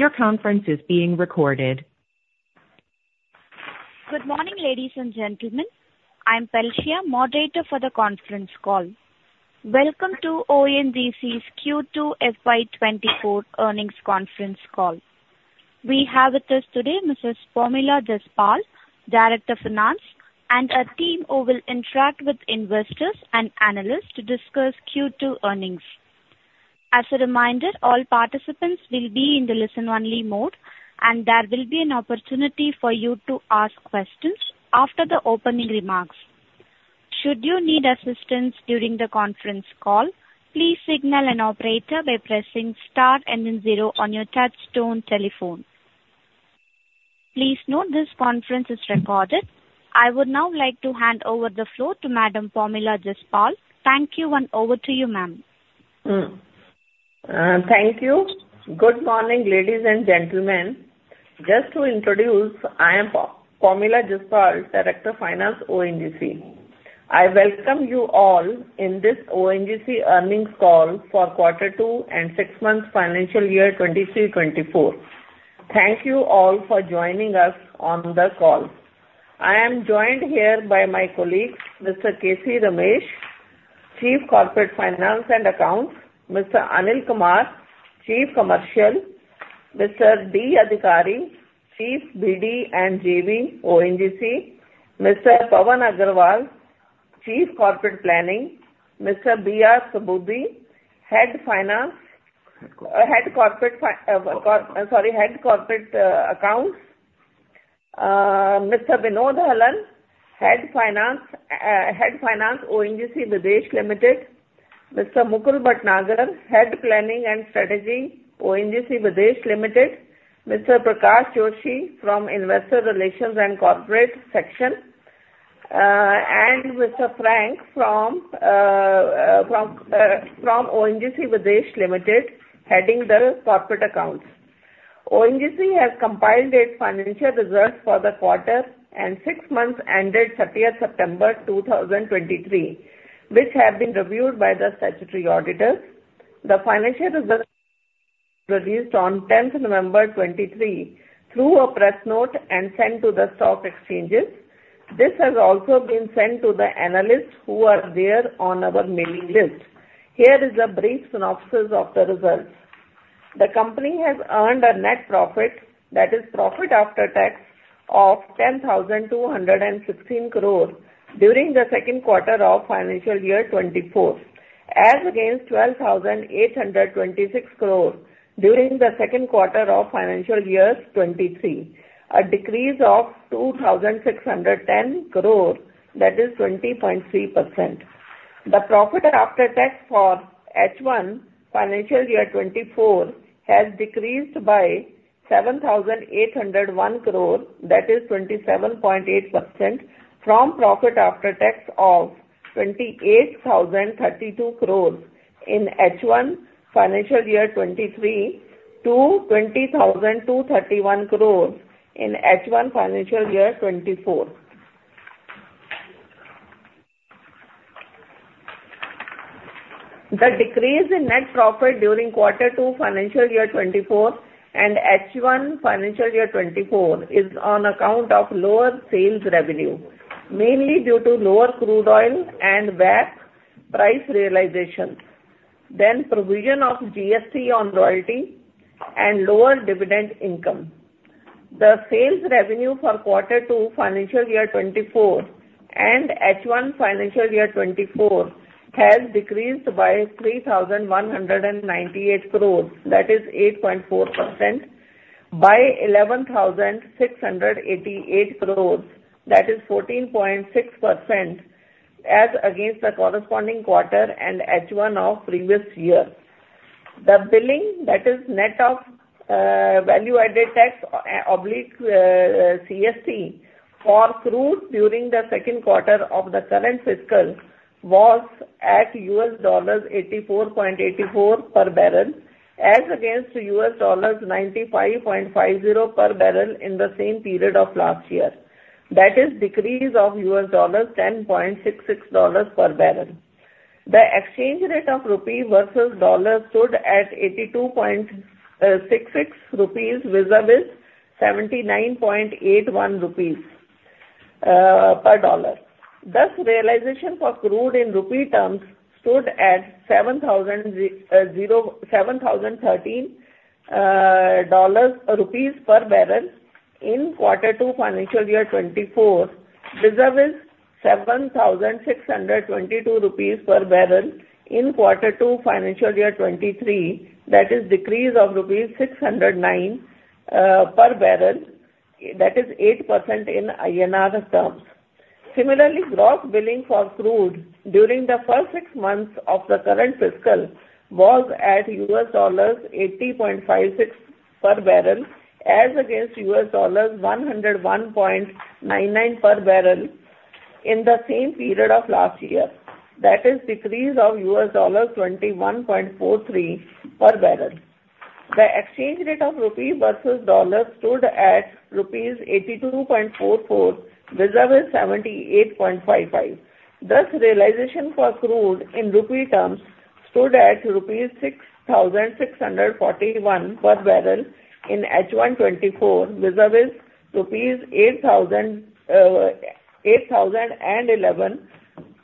Your conference is being recorded. Good morning, ladies and gentlemen. I'm Pelcia, moderator for the conference call. Welcome to ONGC's Q2 FY24 Earnings Conference Call. We have with us today Mrs. Pomila Jaspal, Director Finance, and her team, who will interact with investors and analysts to discuss Q2 earnings. As a reminder, all participants will be in the listen-only mode, and there will be an opportunity for you to ask questions after the opening remarks. Should you need assistance during the conference call, please signal an operator by pressing star and then zero on your touchtone telephone. Please note, this conference is recorded. I would now like to hand over the floor to Madam Pomila Jaspal. Thank you, and over to you, ma'am. Thank you. Good morning, ladies and gentlemen. Just to introduce, I am Pomila Jaspal, Director Finance, ONGC. I welcome you all in this ONGC earnings call for quarter two and six months financial year 2023-2024. Thank you all for joining us on the call. I am joined here by my colleagues, Mr. K.C. Ramesh, Chief Corporate Finance and Accounts; Mr. Anil Kumar, Chief Commercial; Mr. D. Adhikari, Chief BD and JV, ONGC; Mr. Pavan Aggarwal, Chief Corporate Planning; Mr. B.R. Subudhi, Head Finance- Head Corporate. Head Corporate Accounts; Mr. Vinod Hallan, Head Finance, ONGC Videsh Limited; Mr. Mukul Bhatnagar, Head Planning and Strategy, ONGC Videsh Limited; Mr. Prakash Joshi from Investor Relations and Corporate Section; and Mr. Frank from ONGC Videsh Limited, heading the Corporate Accounts. ONGC has compiled its financial results for the quarter and six months ended September 2023, which have been reviewed by the statutory auditors. The financial results released on tenth November 2023 through a press note and sent to the stock exchanges. This has also been sent to the analysts who are there on our mailing list. Here is a brief synopsis of the results. The company has earned a net profit, that is profit after tax, of 10,216 crore during the second quarter of financial year 2024, as against 12,826 crore during the second quarter of financial year 2023, a decrease of 2,610 crore, that is 20.3%. The profit after tax for H1 financial year 2024 has decreased by INR 7,801 crore, that is 27.8%, from profit after tax of INR 28,032 crores in H1 financial year 2023 to INR 20,231 crores in H1 financial year 2024. The decrease in net profit during quarter two financial year 2024 and H1 financial year 2024 is on account of lower sales revenue, mainly due to lower crude oil and wax price realization, then provision of GST on royalty and lower dividend income. The sales revenue for quarter two financial year 2024 and H1 financial year 2024 has decreased by 3,198 crores, that is 8.4%, by 11,688 crores, that is 14.6%, as against the corresponding quarter and H1 of previous year. The billing that is net of value-added tax / CST for crude during the second quarter of the current fiscal was at $84.84 per barrel, as against $95.50 per barrel in the same period of last year. That is a decrease of $10.66 per barrel. The exchange rate of the rupee versus the dollar stood at 82.66 rupees, vis-à-vis 79.81 rupees per dollar. Thus, realization for crude in rupee terms stood at INR 7,013 per barrel in quarter two financial year 2024, vis-à-vis rupees 7,622 per barrel in quarter two financial year 2023. That is a decrease of rupees 609 per barrel, that is 8% in INR terms. Similarly, gross billing for crude during the first six months of the current fiscal was at $80.56 per barrel, as against $101.99 per barrel in the same period of last year. That is decrease of $21.43 per barrel. The exchange rate of rupee versus dollar stood at rupees 82.44, vis-à-vis 78.55. Thus, realization for crude in rupee terms stood at rupees 6,641 per barrel in H1 2024, vis-à-vis 8,011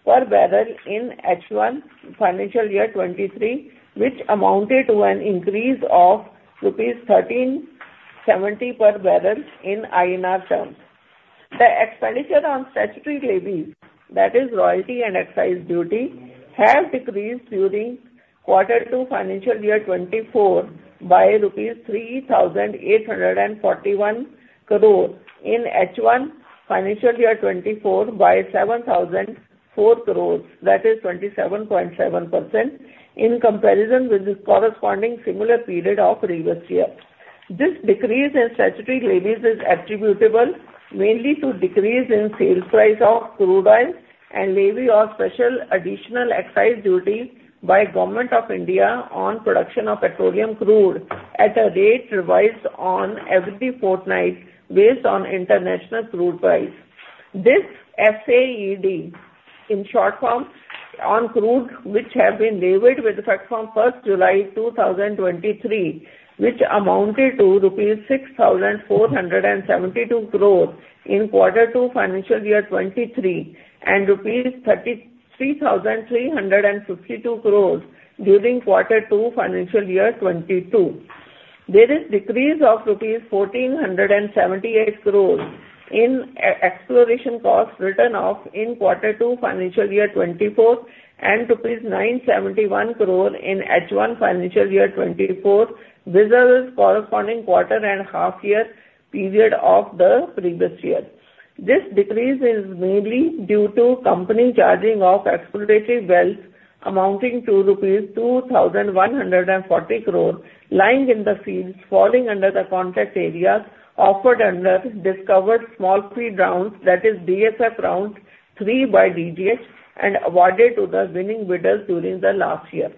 per barrel in H1 financial year 2023, which amounted to an increase of rupees 1,370 per barrel in INR terms. The expenditure on statutory levies, that is royalty and excise duty, have decreased during quarter two financial year 2024 by rupees 3,841 crore in H1 financial year 2024, by 7,004 crore, that is 27.7%, in comparison with the corresponding similar period of previous year. This decrease in statutory levies is attributable mainly to decrease in sales price of crude oil and levy of special additional excise duty by Government of India on production of petroleum crude at a rate revised on every fortnight based on international crude price. This SAED, in short form, on crude, which have been levied with effect from July 1, 2023, which amounted to rupees 6,472 crore in quarter two financial year 2023, and rupees 33,352 crore during quarter two financial year 2022. There is decrease of rupees 1,478 crore in exploration costs written off in quarter two financial year 2024, and rupees 971 crore in H1 financial year 2024, versus corresponding quarter and half year period of the previous year. This decrease is mainly due to company charging off exploratory wells amounting to rupees 2,140 crore lying in the fields, falling under the contract areas offered under discovered small fields Round three, that is DSF Round Three by DGH, and awarded to the winning bidders during the last year.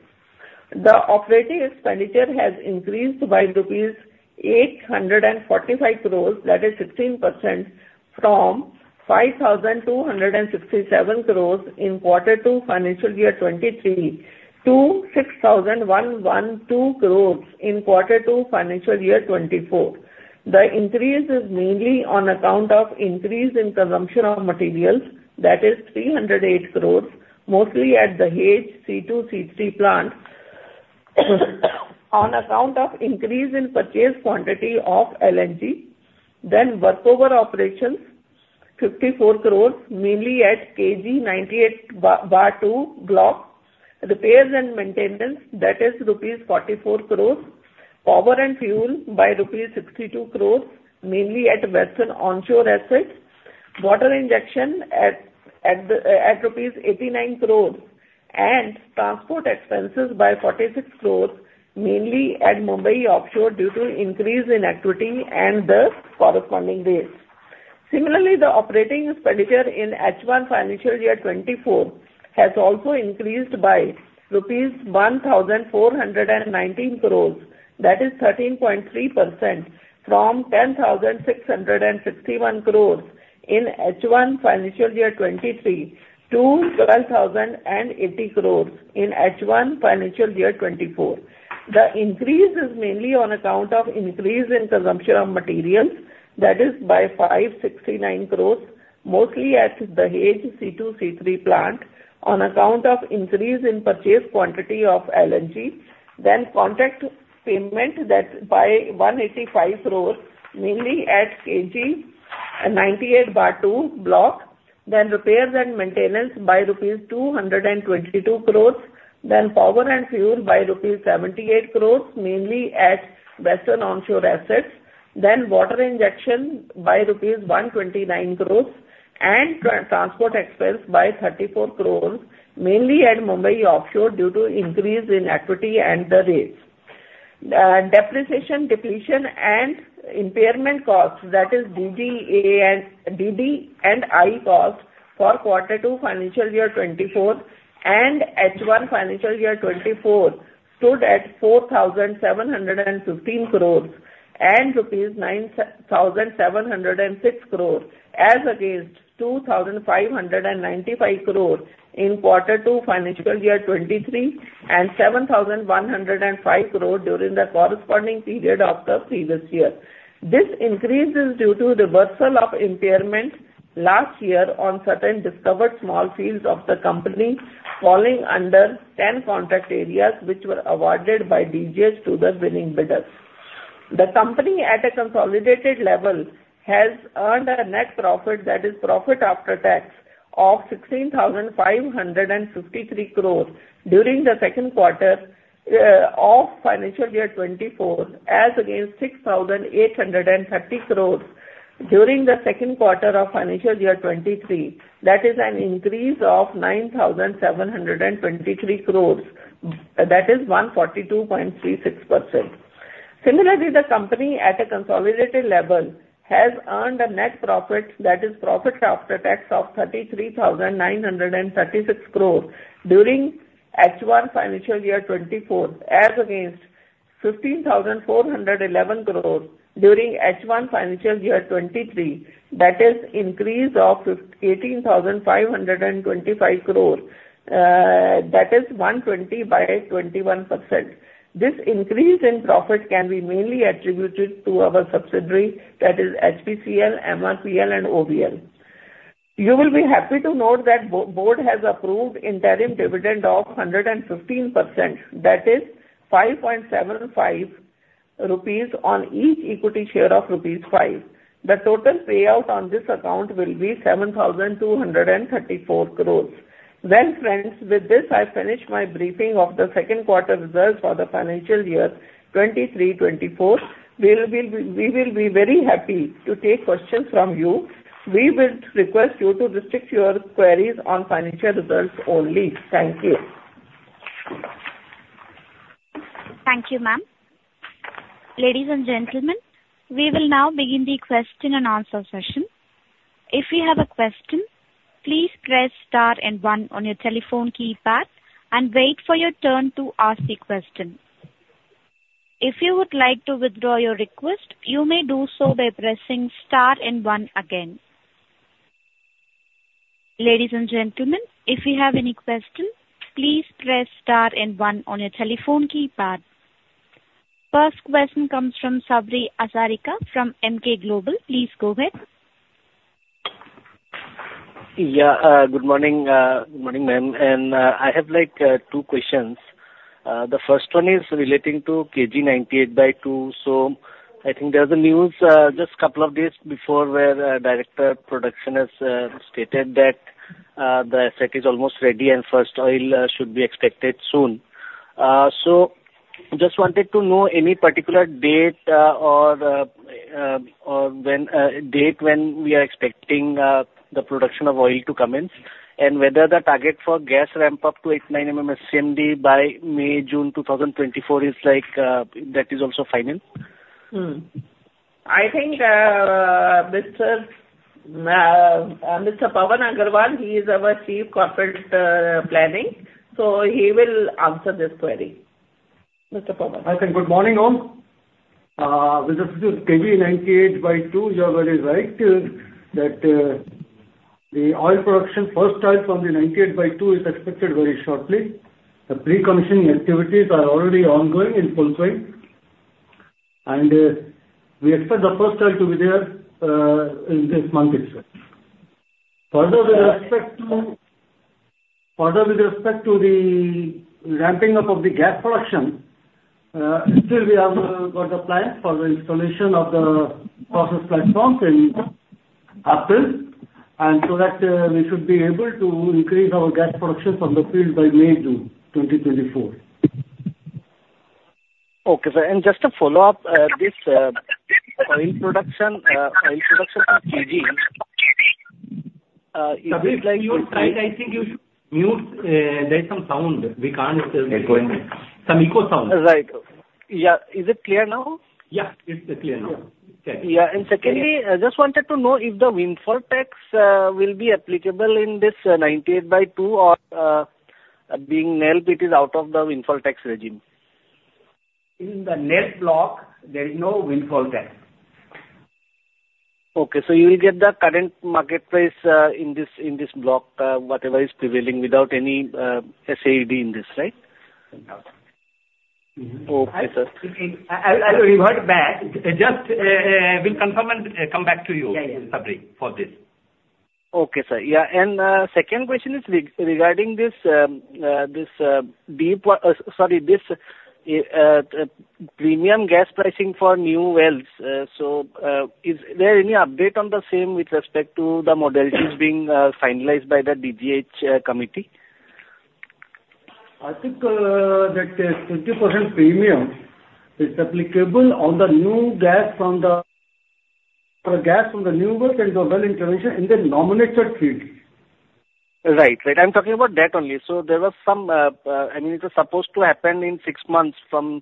The operating expenditure has increased by rupees 845 crores, that is 16%, from 5,267 crores in quarter two financial year 2023 to 6,112 crores in quarter two financial year 2024. The increase is mainly on account of increase in consumption of materials, that is 308 crores, mostly at the Hazira C2-C3 plant. On account of increase in purchase quantity of LNG, then work over operations, 54 crore, mainly at KG 98/2 block. Repairs and maintenance, that is rupees 44 crore. Power and fuel by rupees 62 crore, mainly at Western onshore assets. Water injection at rupees 89 crore. And transport expenses by 46 crore, mainly at Mumbai offshore due to increase in activity and the corresponding rates. Similarly, the operating expenditure in H1 financial year 2024 has also increased by rupees 1,419 crore, that is 13.3%, from 10,661 crore in H1 financial year 2023 to 12,080 crore in H1 financial year 2024. The increase is mainly on account of increase in consumption of materials, that is by 569 crore, mostly at the Hazira C2-C3 plant, on account of increase in purchase quantity of LNG. Then contract payment that by 185 crore, mainly at KG 98/2 block. Then repairs and maintenance by rupees 222 crore, then power and fuel by rupees 78 crore, mainly at Western onshore assets, then water injection by rupees 129 crore, and transport expense by 34 crore, mainly at Mumbai Offshore, due to increase in equity and the rates. Depreciation, depletion, and impairment costs, that is DD&I... DD&I costs for quarter two financial year 2024 and H1 financial year 2024 stood at 4,715 crore and rupees 9,706 crore, as against 2,595 crore in quarter two financial year 2023, and 7,105 crore during the corresponding period of the previous year. This increase is due to reversal of impairment last year on certain discovered small fields of the company, falling under 10 contract areas, which were awarded by DGH to the winning bidders. The company, at a consolidated level, has earned a net profit, that is profit after tax, of 16,553 crore during the second quarter of financial year 2024, as against 6,830 crore during the second quarter of financial year 2023. That is an increase of 9,723 crore, that is 142.36%. Similarly, the company, at a consolidated level, has earned a net profit, that is profit after tax, of 33,936 crore during H1 financial year 2024, as against 15,411 crore during H1 financial year 2023. That is increase of eighteen thousand five hundred and twenty-five crore, that is 120.21%. This increase in profit can be mainly attributed to our subsidiary, that is HPCL, MRPL, and OVL. You will be happy to note that board has approved interim dividend of 115%, that is, 5.75 rupees on each equity share of rupees 5. The total payout on this account will be 7,234 crore rupees. Well, friends, with this, I finish my briefing of the second quarter results for the financial year 2023-2024. We will be, we will be very happy to take questions from you. We will request you to restrict your queries on financial results only. Thank you. Thank you, ma'am. Ladies and gentlemen, we will now begin the question and answer session. If you have a question, please press star and one on your telephone keypad and wait for your turn to ask the question. If you would like to withdraw your request, you may do so by pressing star and one again. Ladies and gentlemen, if you have any question, please press star and one on your telephone keypad. First question comes from Sabri Hazarika from Emkay Global. Please go ahead. Yeah, good morning, good morning, ma'am, and I have, like, two questions. The first one is relating to KG 98/2. So I think there's a news, just couple of days before, where director production has stated that the asset is almost ready and first oil should be expected soon. So just wanted to know any particular date, or when date when we are expecting the production of oil to commence, and whether the target for gas ramp up to 89 MMSCMD by May, June 2024 is like, that is also final? I think, Mr. Pavan Aggarwal, he is our Chief Corporate Planning, so he will answer this query. Mr. Pavan? I think good morning all. With respect to KG 98/2, you are very right that the oil production first start from the 98/2 is expected very shortly. The pre-commissioning activities are already ongoing in full swing, and we expect the first oil to be there in this month itself. Further, with respect to the ramping up of the gas production, still we have got the plan for the installation of the process platform in April. And so that we should be able to increase our gas production from the field by May, June 2024. Okay, sir. Just to follow up, this oil production, oil production from KG, if you like- Sabri, you are trying, I think you should mute. There's some sound. We can't hear you. Echoing. Some echo sound. Right. Yeah. Is it clear now? Yeah, it's clear now. Yeah. Yeah, and secondly, I just wanted to know if the windfall tax will be applicable in this 98 by 2, or being nil, it is out of the windfall tax regime? In the net block, there is no windfall tax. Okay, so you will get the current market price, in this, in this block, whatever is prevailing without any SAED in this, right? No. Okay, sir. I'll revert back. Just, we'll confirm and come back to you. Yeah, yeah. Sabri, for this. Okay, sir. Yeah, and second question is regarding this premium gas pricing for new wells. So, is there any update on the same with respect to the modalities being finalized by the DGH committee? I think that 20% premium is applicable on the new gas for the gas from the new well and the well intervention in the nominated field. Right. Right. I'm talking about that only. So there was some, I mean, it was supposed to happen in six months from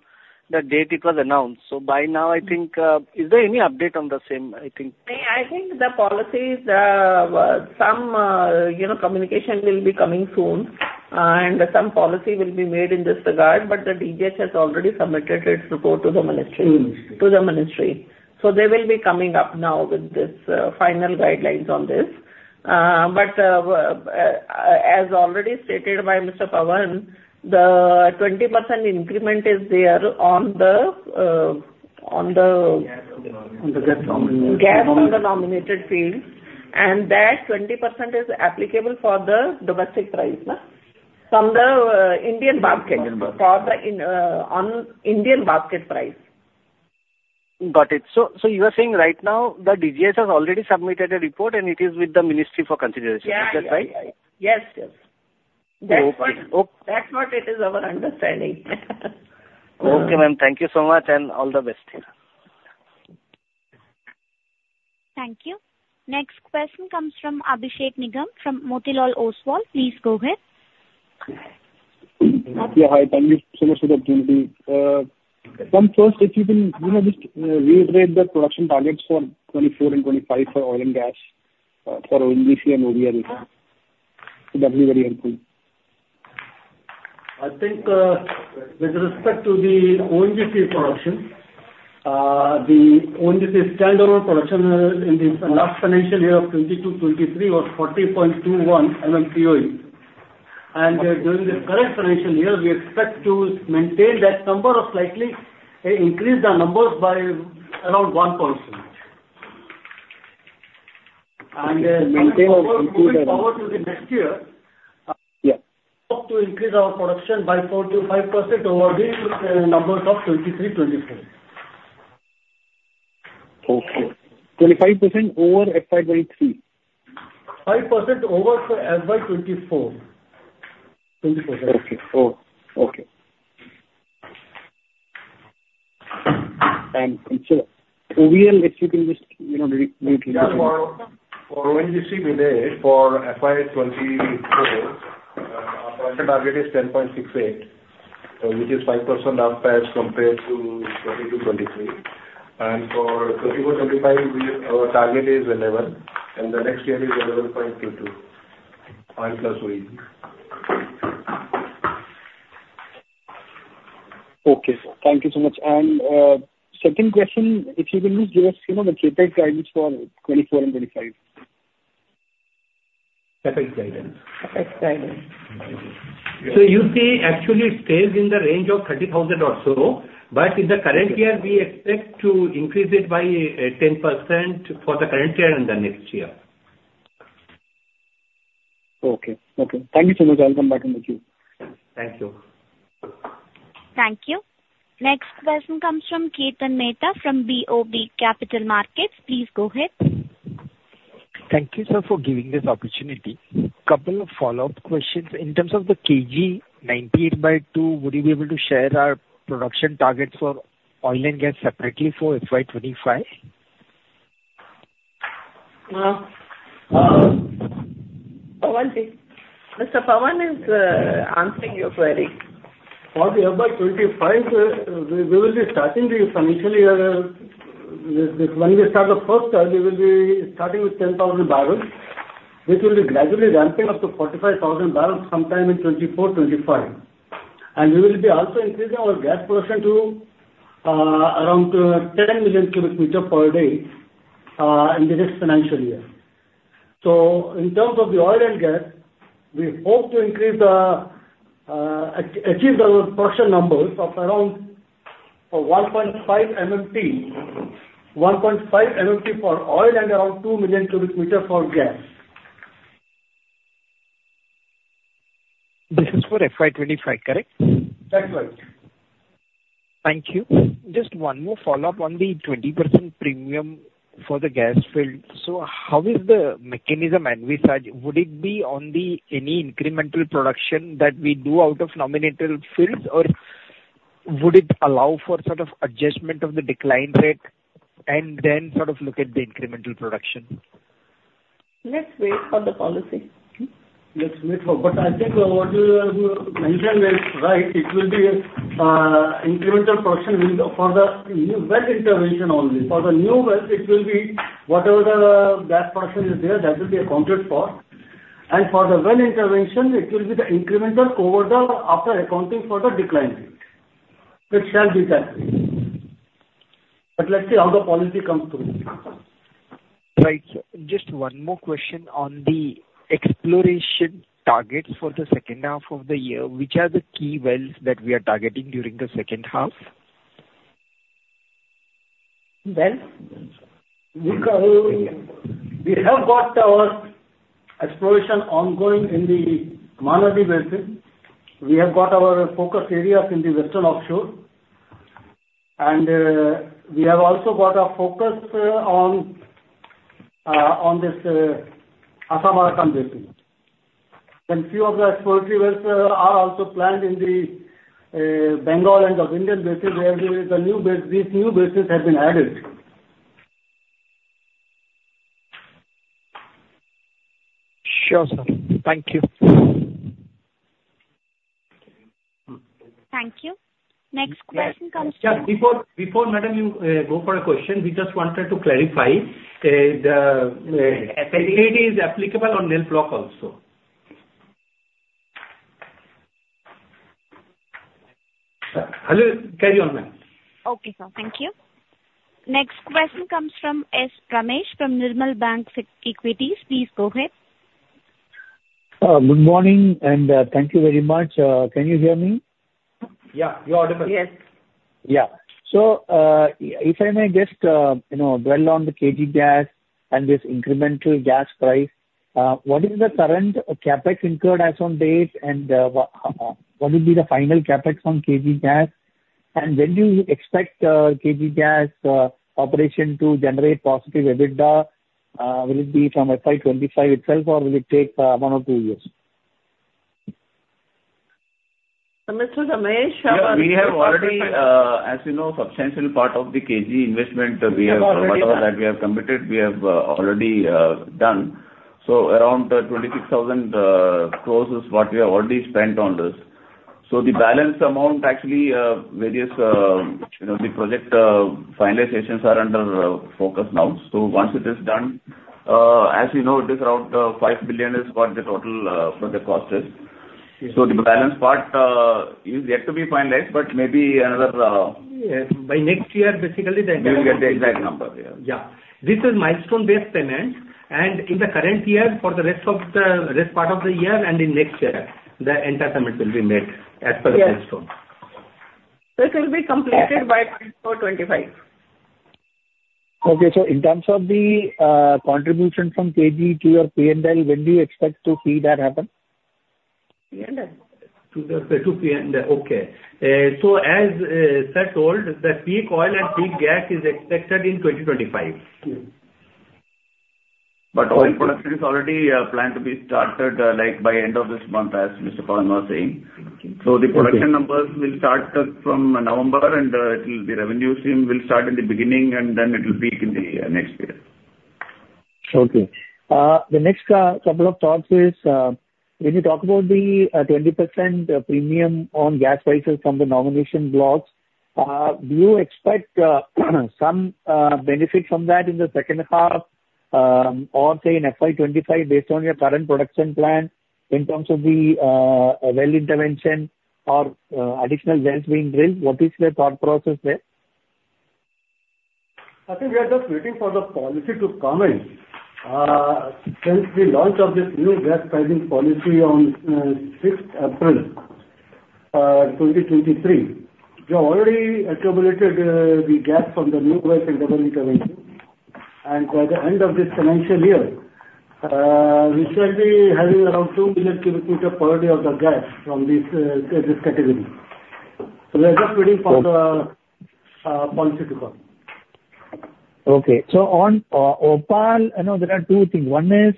the date it was announced. So by now, I think. Is there any update on the same, I think? I think the policies, some, you know, communication will be coming soon, and some policy will be made in this regard, but the DGH has already submitted its report to the ministry. Mm. To the ministry. So they will be coming up now with this, final guidelines on this. But, as already stated by Mr. Pavan, the 20% increment is there on the, on the- On the gas nominated. Gas on the nominated fields, and that 20% is applicable for the domestic price, na? From the Indian basket- Indian basket. For the Indian basket price. Got it. So, you are saying right now the DGH has already submitted a report, and it is with the ministry for consideration. Yeah, yeah, yeah. Is that right? Yes, yes. Okay. O- That's what it is, our understanding. Okay, ma'am. Thank you so much, and all the best. Thank you. Next question comes from Abhishek Nigam, from Motilal Oswal. Please go ahead. Yeah, hi. Thank you so much for the opportunity. Ma'am, first, if you can, you know, just reiterate the production targets for 2024 and 2025 for oil and gas, for ONGC and OVL. That'll be very helpful. I think, with respect to the ONGC production, the ONGC standalone production, in the last financial year of 2022-2023, was 40.21 MMTOE. During the current financial year, we expect to maintain that number or slightly increase the numbers by around 1%. Moving forward to the next year- Yeah. hope to increase our production by 4%-5% over the numbers of 2023, 2024. Okay. 25% over FY 2023? 5% over FY 2024. 20%. Okay. Oh, okay. And so overall, if you can just, you know, repeat it. Yeah. For ONGC Videsh, for FY 2024, our production target is 10.68, which is 5% down compared to 2022-2023. And for 2024-2025, our target is 11%, and the next year is 11.22%. Okay. Thank you so much. And, second question, if you can just give us, you know, the CapEx guidance for 2024 and 2025? CapEx guidance. CapEx guidance. So you see, actually it stays in the range of 30,000 or so, but in the current year, we expect to increase it by 10% for the current year and the next year. Okay. Okay. Thank you so much. I'll come back to you. Thank you. Thank you. Next question comes from Kirtan Mehta, from BOB Capital Markets. Please go ahead. Thank you, sir, for giving this opportunity. Couple of follow-up questions. In terms of the KG 98/2, would you be able to share our production targets for oil and gas separately for FY 2025? Pavanji. Mr. Pavan is answering your query. For the FY 2025, we will be starting the financial year with the... When we start the first term, we will be starting with 10,000 barrels, which will be gradually ramping up to 45,000 barrels sometime in 2024-2025. And we will be also increasing our gas production to around 10 million cu m per day in the next financial year. So in terms of the oil and gas, we hope to increase the achieve our production numbers of around 1.5 MMT, 1.5 MMT for oil and around 2 million cu m for gas. This is for FY 2025, correct? That's right. Thank you. Just one more follow-up on the 20% premium for the gas field. So how is the mechanism envisaged? Would it be on any incremental production that we do out of nominated fields, or would it allow for sort of adjustment of the decline rate, and then sort of look at the incremental production? Let's wait for the policy. Let's wait for... But I think what you mentioned is right. It will be incremental production for the well intervention only. For the new well, it will be whatever the gas production is there, that will be accounted for. And for the well intervention, it will be the incremental over the after accounting for the decline rate. It shall be that way. But let's see how the policy comes through. Right. Just one more question on the exploration targets for the second half of the year. Which are the key wells that we are targeting during the second half? Wells? We have got our exploration ongoing in the Mahanadi Basin. We have got our focus areas in the Western Offshore, and we have also got a focus on this Assam-Arakan Basin. Then few of the exploratory wells are also planned in the Bengal Basin and the Vindhyan Basin, where there is a new basin; these new basins have been added. Sure, sir. Thank you. Thank you. Next question comes from- Just before, madam, you go for a question, we just wanted to clarify the CapEx is applicable on NELP block also. Hello? Carry on, ma'am. Okay, sir. Thank you. Next question comes from S. Ramesh, from Nirmal Bang Equities. Please go ahead. Good morning, and thank you very much. Can you hear me? Yeah, you're audible. Yes. Yeah. So, if I may just, you know, dwell on the KG gas and this incremental gas price, what is the current CapEx incurred as on date, and, what will be the final CapEx on KG gas? And when do you expect, KG gas operation to generate positive EBITDA? Will it be from FY 2025 itself, or will it take one or two years? So, Mr. Ramesh, how about- We have already, as you know, substantial part of the KG investment, we have- We have already- Whatever that we have committed, we have already done. So around 26,000 crore is what we have already spent on this. So the balance amount, actually, various, you know, the project finalizations are under focus now. So once it is done, as you know, it is around $5 billion is what the total project cost is. So the balance part is yet to be finalized, but maybe another- By next year, basically the- You'll get the exact number, yeah. Yeah. This is milestone-based payment, and in the current year, for the rest of this part of the year and in next year, the entire payment will be made as per the milestone.... This will be completed by 2024, 2025. Okay. So in terms of the contribution from KG to your PNL, when do you expect to see that happen? PNL? To the PNL. Okay. So as sir told, the peak oil and peak gas is expected in 2025. Okay. Oil production is already planned to be started, like by end of this month, as Mr. Pavan was saying. Okay. So the production numbers will start up from November, and the revenues will start in the beginning, and then it will peak in the next year. Okay. The next couple of thoughts is, when you talk about the 20% premium on gas prices from the nomination blocks, do you expect some benefit from that in the second half, or say in FY 2025, based on your current production plan, in terms of the well intervention or additional wells being drilled? What is your thought process there? I think we are just waiting for the policy to come in. Since the launch of this new gas pricing policy on sixth April 2023, we have already accumulated the gas from the new well and well intervention. By the end of this financial year, we shall be having around 2 million cu m per day of the gas from this this category. We are just waiting for the policy to come. Okay. So on OPaL, I know there are two things. One is,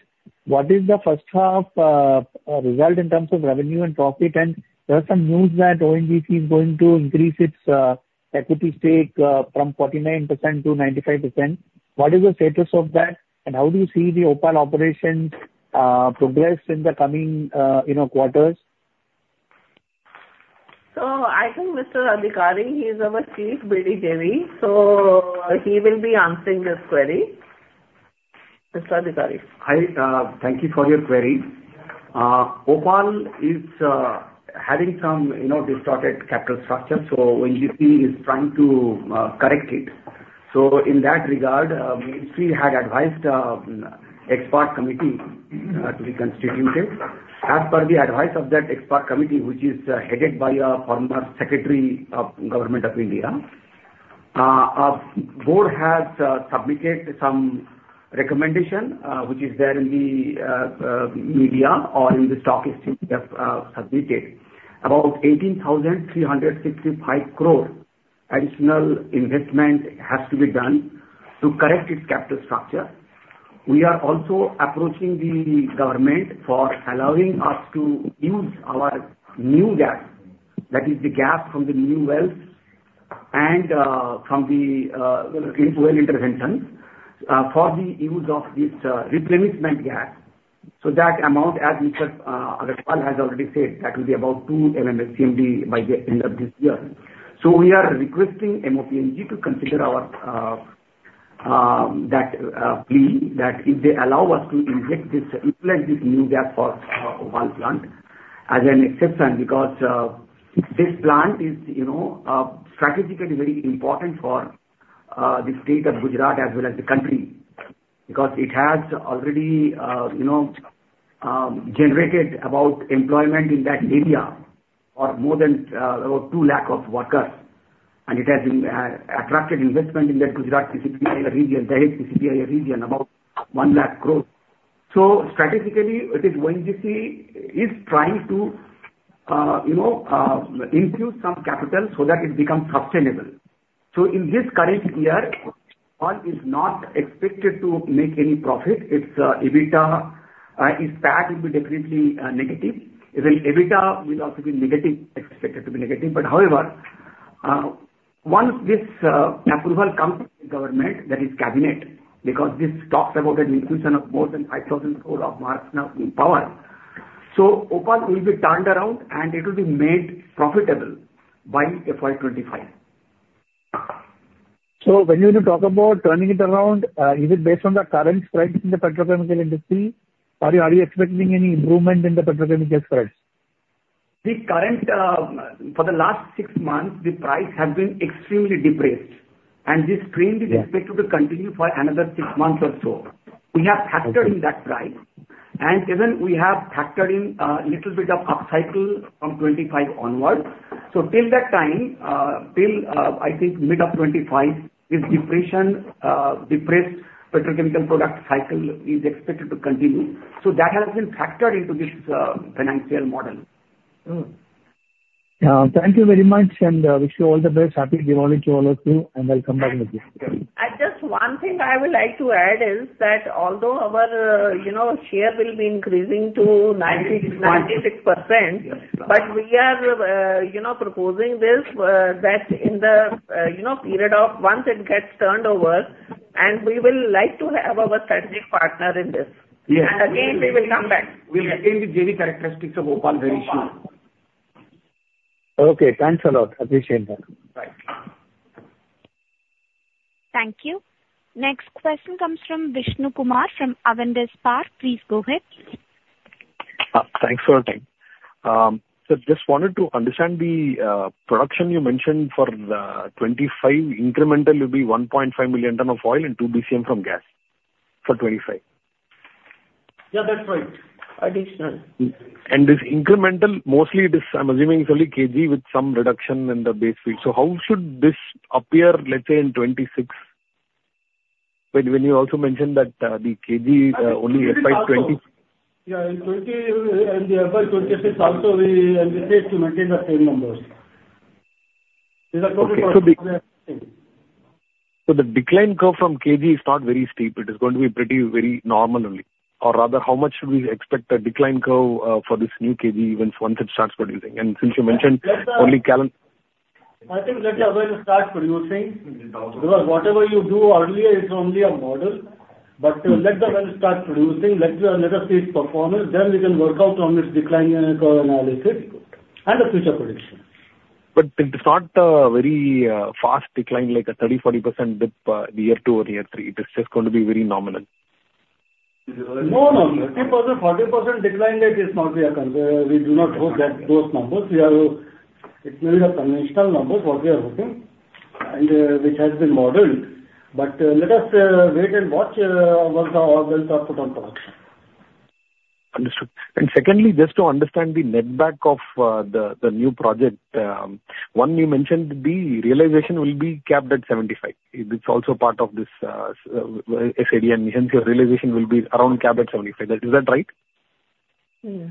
what is the first half result in terms of revenue and profit? And there are some news that ONGC is going to increase its equity stake from 49% to 95%. What is the status of that, and how do you see the OPaL operations progress in the coming, you know, quarters? So I think Mr. Adhikari, he is our Chief BD & JV, so he will be answering this query. Mr. Adhikari. Hi, thank you for your query. OPaL is having some, you know, distorted capital structure, so ONGC is trying to correct it. So in that regard, ministry had advised expert committee to be constituted. As per the advice of that expert committee, which is headed by a former secretary of Government of India, our board has submitted some recommendation, which is there in the media or in the stock exchange, submitted. About 18,365 crore additional investment has to be done to correct its capital structure. We are also approaching the government for allowing us to use our new gas, that is the gas from the new wells and from the well intervention for the use of this replenishment gas. So that amount, as Mr. Agarwal has already said, that will be about 2 MMSMD by the end of this year. We are requesting MoPNG to consider our plea, that if they allow us to inject this, implement this new gas for OPaL plant as an exception, because this plant is, you know, strategically very important for the state of Gujarat as well as the country, because it has already, you know, generated about employment in that area of more than about 200,000 workers, and it has attracted investment in the Gujarat PCPIR region, the PCPIR region, about 100,000 growth. Strategically, it is ONGC is trying to, you know, infuse some capital so that it becomes sustainable. In this current year, OPaL is not expected to make any profit. It's EBITDA, its PAT will be definitely negative. Even EBITDA will also be negative, expected to be negative. But however, once this approval comes from the government, that is, Cabinet, because this talks about an infusion of more than 5,000 crore now in OPaL, so OPaL will be turned around, and it will be made profitable by FY 2025. So when you talk about turning it around, is it based on the current spreads in the petrochemical industry, or are you expecting any improvement in the petrochemical spreads? The current, for the last six months, the price has been extremely depressed, and this trend- Yeah... is expected to continue for another six months or so. Okay. We have factored in that price, and even we have factored in a little bit of up cycle from 2025 onwards. So till that time, till, I think mid of 2025, this depression, depressed petrochemical product cycle is expected to continue. So that has been factored into this, financial model. Thank you very much, and wish you all the best. Happy Diwali to all of you, and I'll come back with you. Just one thing I would like to add is that although our, you know, share will be increasing to 96%, but we are, you know, proposing this, that in the, you know, period of once it gets turned over, and we will like to have our strategic partner in this. Yes. And again, we will come back. We will retain the JV characteristics of OPaL very soon. Okay, thanks a lot. Appreciate that. Bye. Thank you. Next question comes from Vishnu Kumar from Avendus Spark. Please go ahead. Thanks for the time. So just wanted to understand the production you mentioned for 2025 incremental will be 1.5 million ton of oil and 2 BCM from gas, for 2025?... Yeah, that's right. Additional. This incremental, mostly it is, I'm assuming it's only KG with some reduction in the base field. So how should this appear, let's say, in 2026? But when you also mentioned that, the KG, only FY 2020. Yeah, in 2020, in the FY 2026 also, we anticipate to maintain the same numbers. So the decline curve from KG is not very steep. It is going to be pretty very normal only. Or rather, how much should we expect the decline curve for this new KG once it starts producing? And since you mentioned only calendar- I think let the well start producing, because whatever you do earlier, it's only a model. But let the well start producing, let us see its performance, then we can work out on its decline curve analysis and the future predictions. But it is not a very fast decline, like a 30-40% dip in year two or year three. It is just going to be very nominal. No, no. 30%-40% decline, like, is not we are. We do not hope that those numbers. We are. It may be a conventional numbers, what we are hoping, and which has been modeled, but let us wait and watch once the wells are put on production. Understood. And secondly, just to understand the net back of the new project. One, you mentioned the realization will be capped at $75. It's also part of this SAED and since your realization will be around capped at $75. Is that right? Hmm.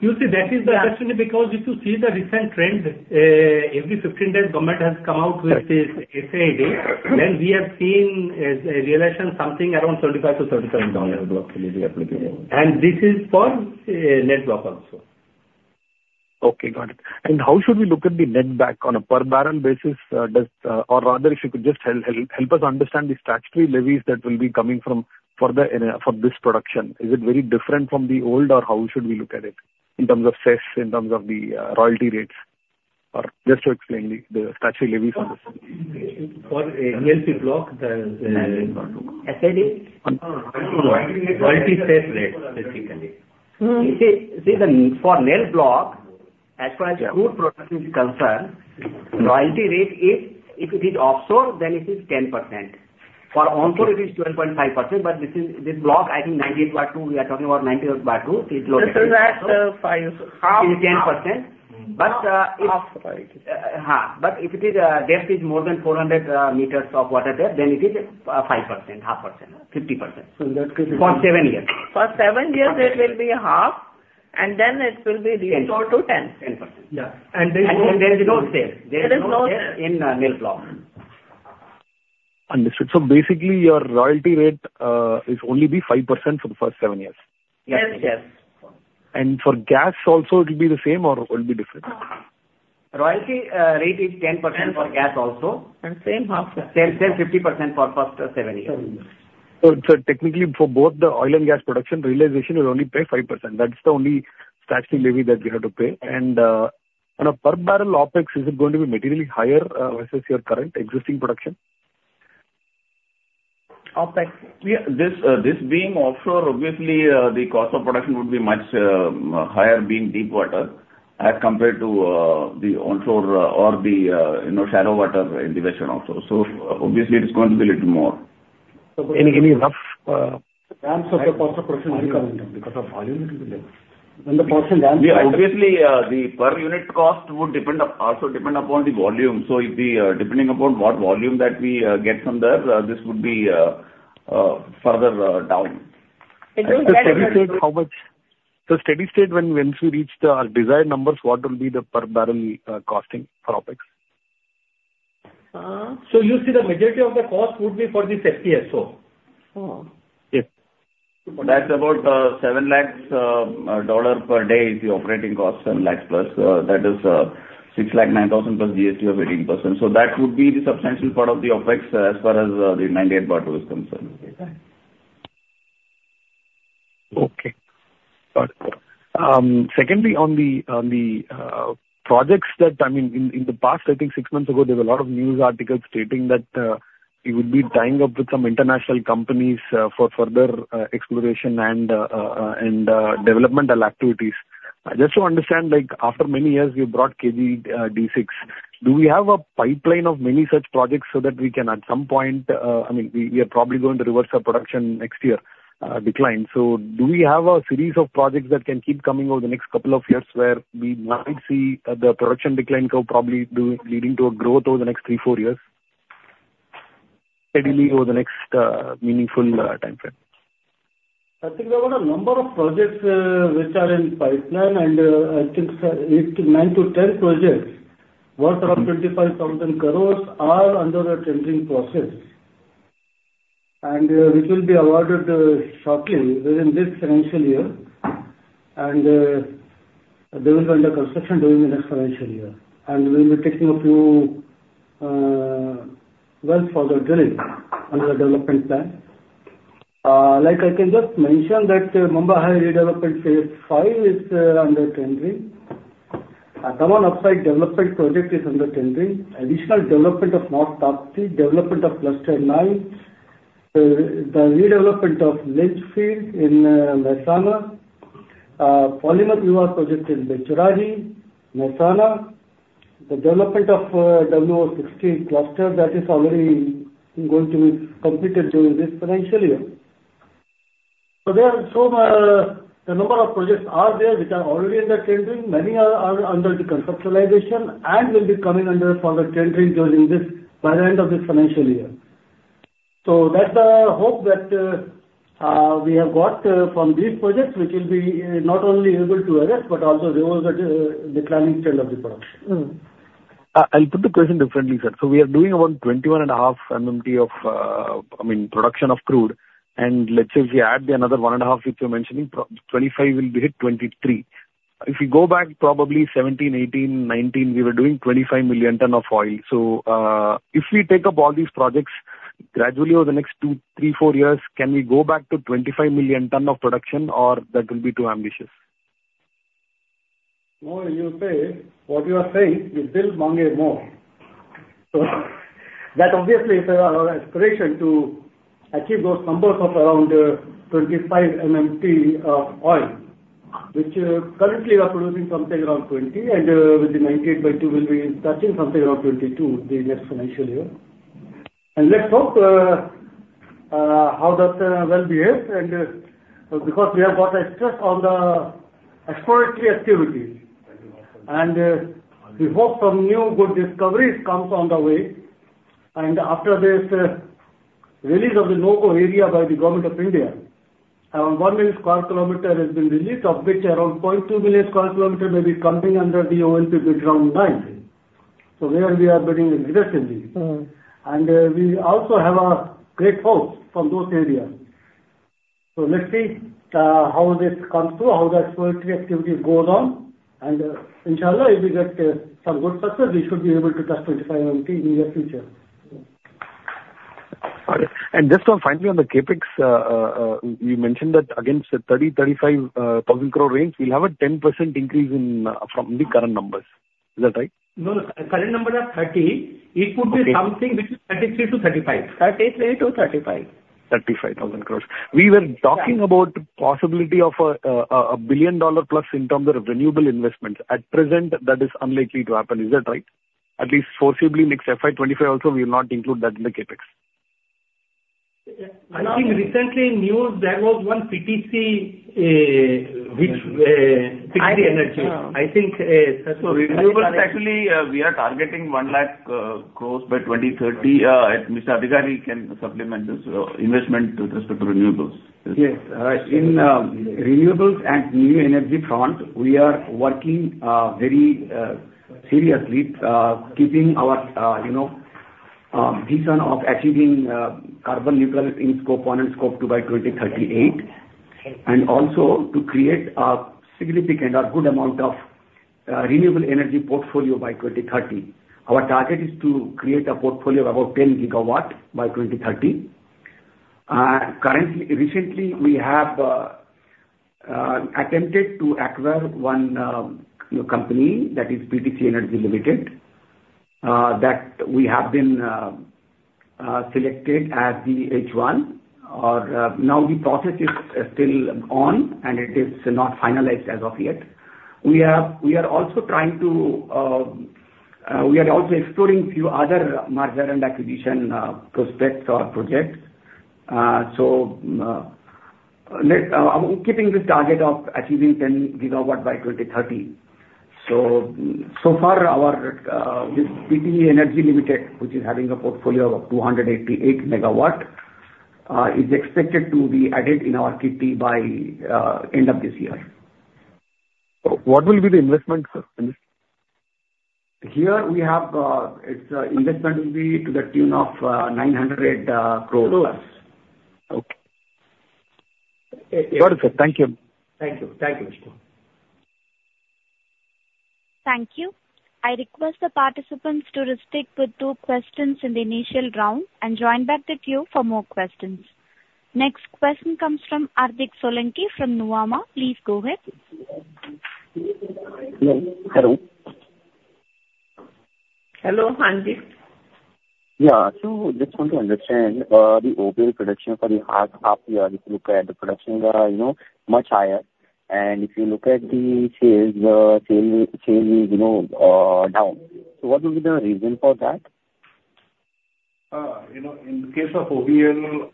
You see, that is the question, because if you see the recent trend, every 15 days, government has come out with this SAED. Then we have seen a realization something around 35%-40% down. And this is for net block also. Okay, got it. And how should we look at the net back on a per barrel basis? Or rather, if you could just help us understand the statutory levies that will be coming from for the, for this production. Is it very different from the old, or how should we look at it in terms of sales, in terms of the royalty rates? Or just to explain the statutory levies on this. For a NELP block, the SAED? No, no, royalty sales rate, basically. Hmm. You see, for NELP block, as far as crude production is concerned, royalty rate is, if it is offshore, then it is 10%. For onshore, it is 12.5%, but this is, this block, I think 98/2, we are talking about 98/2, is located- This is at 5:30. Is 10%. But, it's- Half. But if it is depth is more than 400 meters of water depth, then it is 5%, 0.5%, 50%. In that case- For seven years. For seven years, it will be half, and then it will be restored to 10. 10% Yeah. There is no sales. There is no- In NEL block. Understood. So basically, your royalty rate is only be 5% for the first seven years? Yes. Yes. For gas also, it will be the same or it will be different? Royalty rate is 10% for gas also. And same half. Same, same 50% for first seven years. So technically, for both the oil and gas production, realization will only pay 5%. That's the only statutory levy that we have to pay. And, on a per barrel OpEx, is it going to be materially higher versus your current existing production? OpEx? Yeah, this, this being offshore, obviously, the cost of production would be much higher being deep water as compared to the onshore or the, you know, shallow water in the Western Offshore. So obviously, it's going to be a little more. Any rough Ramps of the cost of production, because of volume, it will be less. When the person ramps- Yeah, obviously, the per unit cost would depend up, also depend upon the volume. So if the, depending upon what volume that we get from there, this would be further down. How much... So steady state, when, once we reach the desired numbers, what will be the per barrel costing for OpEx? So you see, the majority of the cost would be for this FPSO. Hmm. Yes. That's about $700,000 per day is the operating cost, $700,000+. That is $609,000 plus GST of 18%. So that would be the substantial part of the OPEX as far as the 98-barrel is concerned. Okay. Got it. Secondly, on the projects that... I mean, in the past, I think six months ago, there was a lot of news articles stating that you would be tying up with some international companies for further exploration and developmental activities. Just to understand, like, after many years, you brought KG D6. Do we have a pipeline of many such projects so that we can, at some point, I mean, we are probably going to reverse our production next year decline. So do we have a series of projects that can keep coming over the next couple of years, where we might see the production decline curve probably leading to a growth over the next three, four years? Steadily over the next meaningful timeframe. I think there are a number of projects, which are in pipeline, and I think 8-10 projects, worth around 25,000 crore, are under a tendering process. Which will be awarded shortly within this financial year. They will be under construction during the next financial year. We will be taking a few wells for the drilling under the development plan. Like, I can just mention that Mumbai High Redevelopment Phase 5 is under tendering. Daman Upside Development Project is under tendering. Additional development of North Tapti, development of Cluster 9, the redevelopment of Lanwa in Mehsana, Polymer EVA project in Becharaji, Mehsana-...The development of WO-16 cluster that is already going to be completed during this financial year. So there are the number of projects are there, which are already under tendering. Many are under the conceptualization, and will be coming under further tendering during this, by the end of this financial year. So that's the hope that we have got from these projects, which will be not only able to arrest, but also reverse the declining trend of the production. I'll put the question differently, sir. So we are doing about 21.5 MMT of, I mean, production of crude, and let's say if you add the another 1.5, which you're mentioning, pro-25 will be hit, 23. If you go back probably 2017, 2018, 2019, we were doing 25 million ton of oil. So, if we take up all these projects gradually over the next two, three, four years, can we go back to 25 million ton of production, or that will be too ambitious? No, you say, what you are saying will build more. So that obviously is our aspiration to achieve those numbers of around 25 MMT of oil, which currently we are producing something around 20, and with the KG 98/2 will be touching something around 22 the next financial year. And let's hope how that well behave and because we have got stress on the exploratory activities. And we hope some new good discoveries comes on the way. And after this release of the no-go area by the government of India, around 1 million sq km has been released, of which around 0.2 million sq km may be coming under the OALP bid round nine. So there we are bidding aggressively. Mm. We also have a great hope from those areas. So let's see how this comes through, how the exploratory activity goes on, and inshallah, if we get some good success, we should be able to touch 25 MMT in the near future. Just one final on the CapEx, you mentioned that against the 30,000 crore-35,000 crore range, we'll have a 10% increase from the current numbers. Is that right? No, no. Current numbers are 30. Okay. It could be something between INR 33,000 crore-INR 35,000 crore. INR 38,000 crore-INR 35,000 crore. INR 35,000 crore. Yeah. We were talking about possibility of a $1 billion plus in terms of renewable investments. At present, that is unlikely to happen, is that right? At least forcibly next FY 2025 also, we will not include that in the CapEx. Yeah. I think recently news, there was one PTC, which, PTC Energy. I think, sir- Renewables, actually, we are targeting 100,000 crore by 2030. As Mr. Adhikari, he can supplement this investment with respect to renewables. Yes. In renewables and new energy front, we are working very seriously, keeping our, you know, vision of achieving carbon neutral in scope one and scope two by 2038, and also to create a significant or good amount of renewable energy portfolio by 2030. Our target is to create a portfolio of about 10 gigawatt by 2030. Currently, recently, we have attempted to acquire one company that is PTC Energy Limited, that we have been selected as the H1. Or, now the process is still on, and it is not finalized as of yet. We are, we are also trying to, we are also exploring few other merger and acquisition prospects or projects. So, we're keeping the target of achieving 10 GW by 2030. So far, our this PTC Energy Limited, which is having a portfolio of 288 megawatt, is expected to be added in our kitty by end of this year. What will be the investment, sir, in this? Here we have its investment will be to the tune of 900 crore+. Okay. Yes. Got it, sir. Thank you. Thank you. Thank you, Vishnu. Thank you. I request the participants to restrict to two questions in the initial round, and join back the queue for more questions. Next question comes from Karthik Solanki from Nuvama. Please go ahead. Hello? Hello. Hello, Karthik. Yeah. So just want to understand, the OPaL production for the half, half year. If you look at the production, you know, much higher, and if you look at the sales, sales is, you know, down. So what will be the reason for that? You know, in the case of OPaL,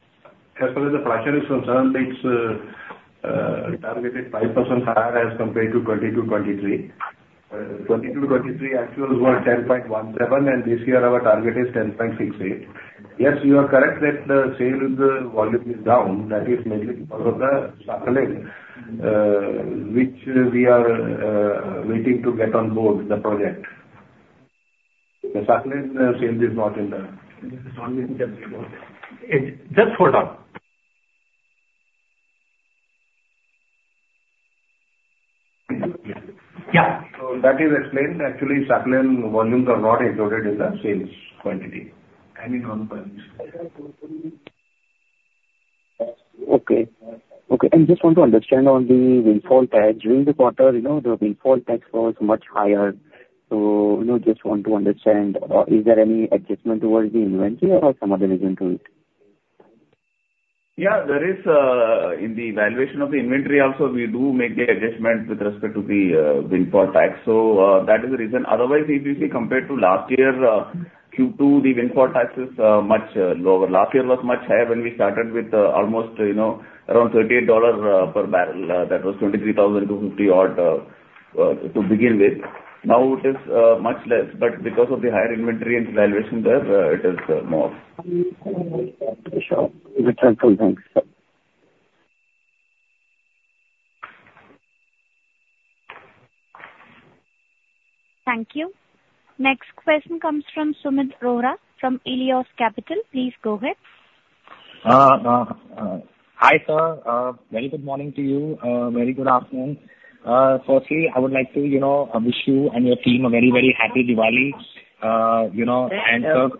as far as the production is concerned, it's targeted 5% higher as compared to 2022, 2023. 2022, 2023 actuals were 10.17, and this year our target is 10.68. Yes, you are correct that the sales volume is down. That is mainly because of the Sakhalin, which we are waiting to get on board the project. The Sakhalin sales is not in the- Just hold on. Yeah. That is explained, actually, Sakhalin volumes are not included in the sales quantity. In on volumes. Okay. Okay, and just want to understand on the windfall tax. During the quarter, you know, the windfall tax was much higher, so, you know, just want to understand, is there any adjustment towards the inventory or some other reason to it? ...Yeah, there is, in the valuation of the inventory also, we do make the adjustments with respect to the, windfall tax. So, that is the reason. Otherwise, if you see compared to last year, Q2, the windfall tax is, much lower. Last year was much higher when we started with, almost, you know, around $38 per barrel. That was 23,250 odd, to begin with. Now it is, much less, but because of the higher inventory and valuation there, it is, more. Sure. Thanks a lot. Thanks. Thank you. Next question comes from Samir Arora from Helios Capital. Please go ahead. Hi, sir. Very good morning to you. Very good afternoon. Firstly, I would like to, you know, wish you and your team a very, very happy Diwali, you know, and...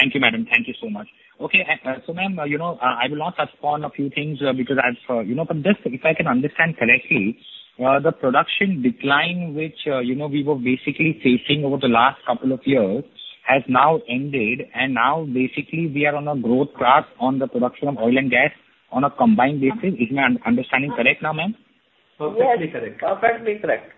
Thank you, madam. Thank you so much. Okay, so ma'am, you know, I will not touch upon a few things, because as, you know, but just if I can understand correctly, the production decline, which, you know, we were basically facing over the last couple of years, has now ended, and now basically we are on a growth path on the production of oil and gas on a combined basis. Is my understanding correct now, ma'am? Perfectly correct. Perfectly correct.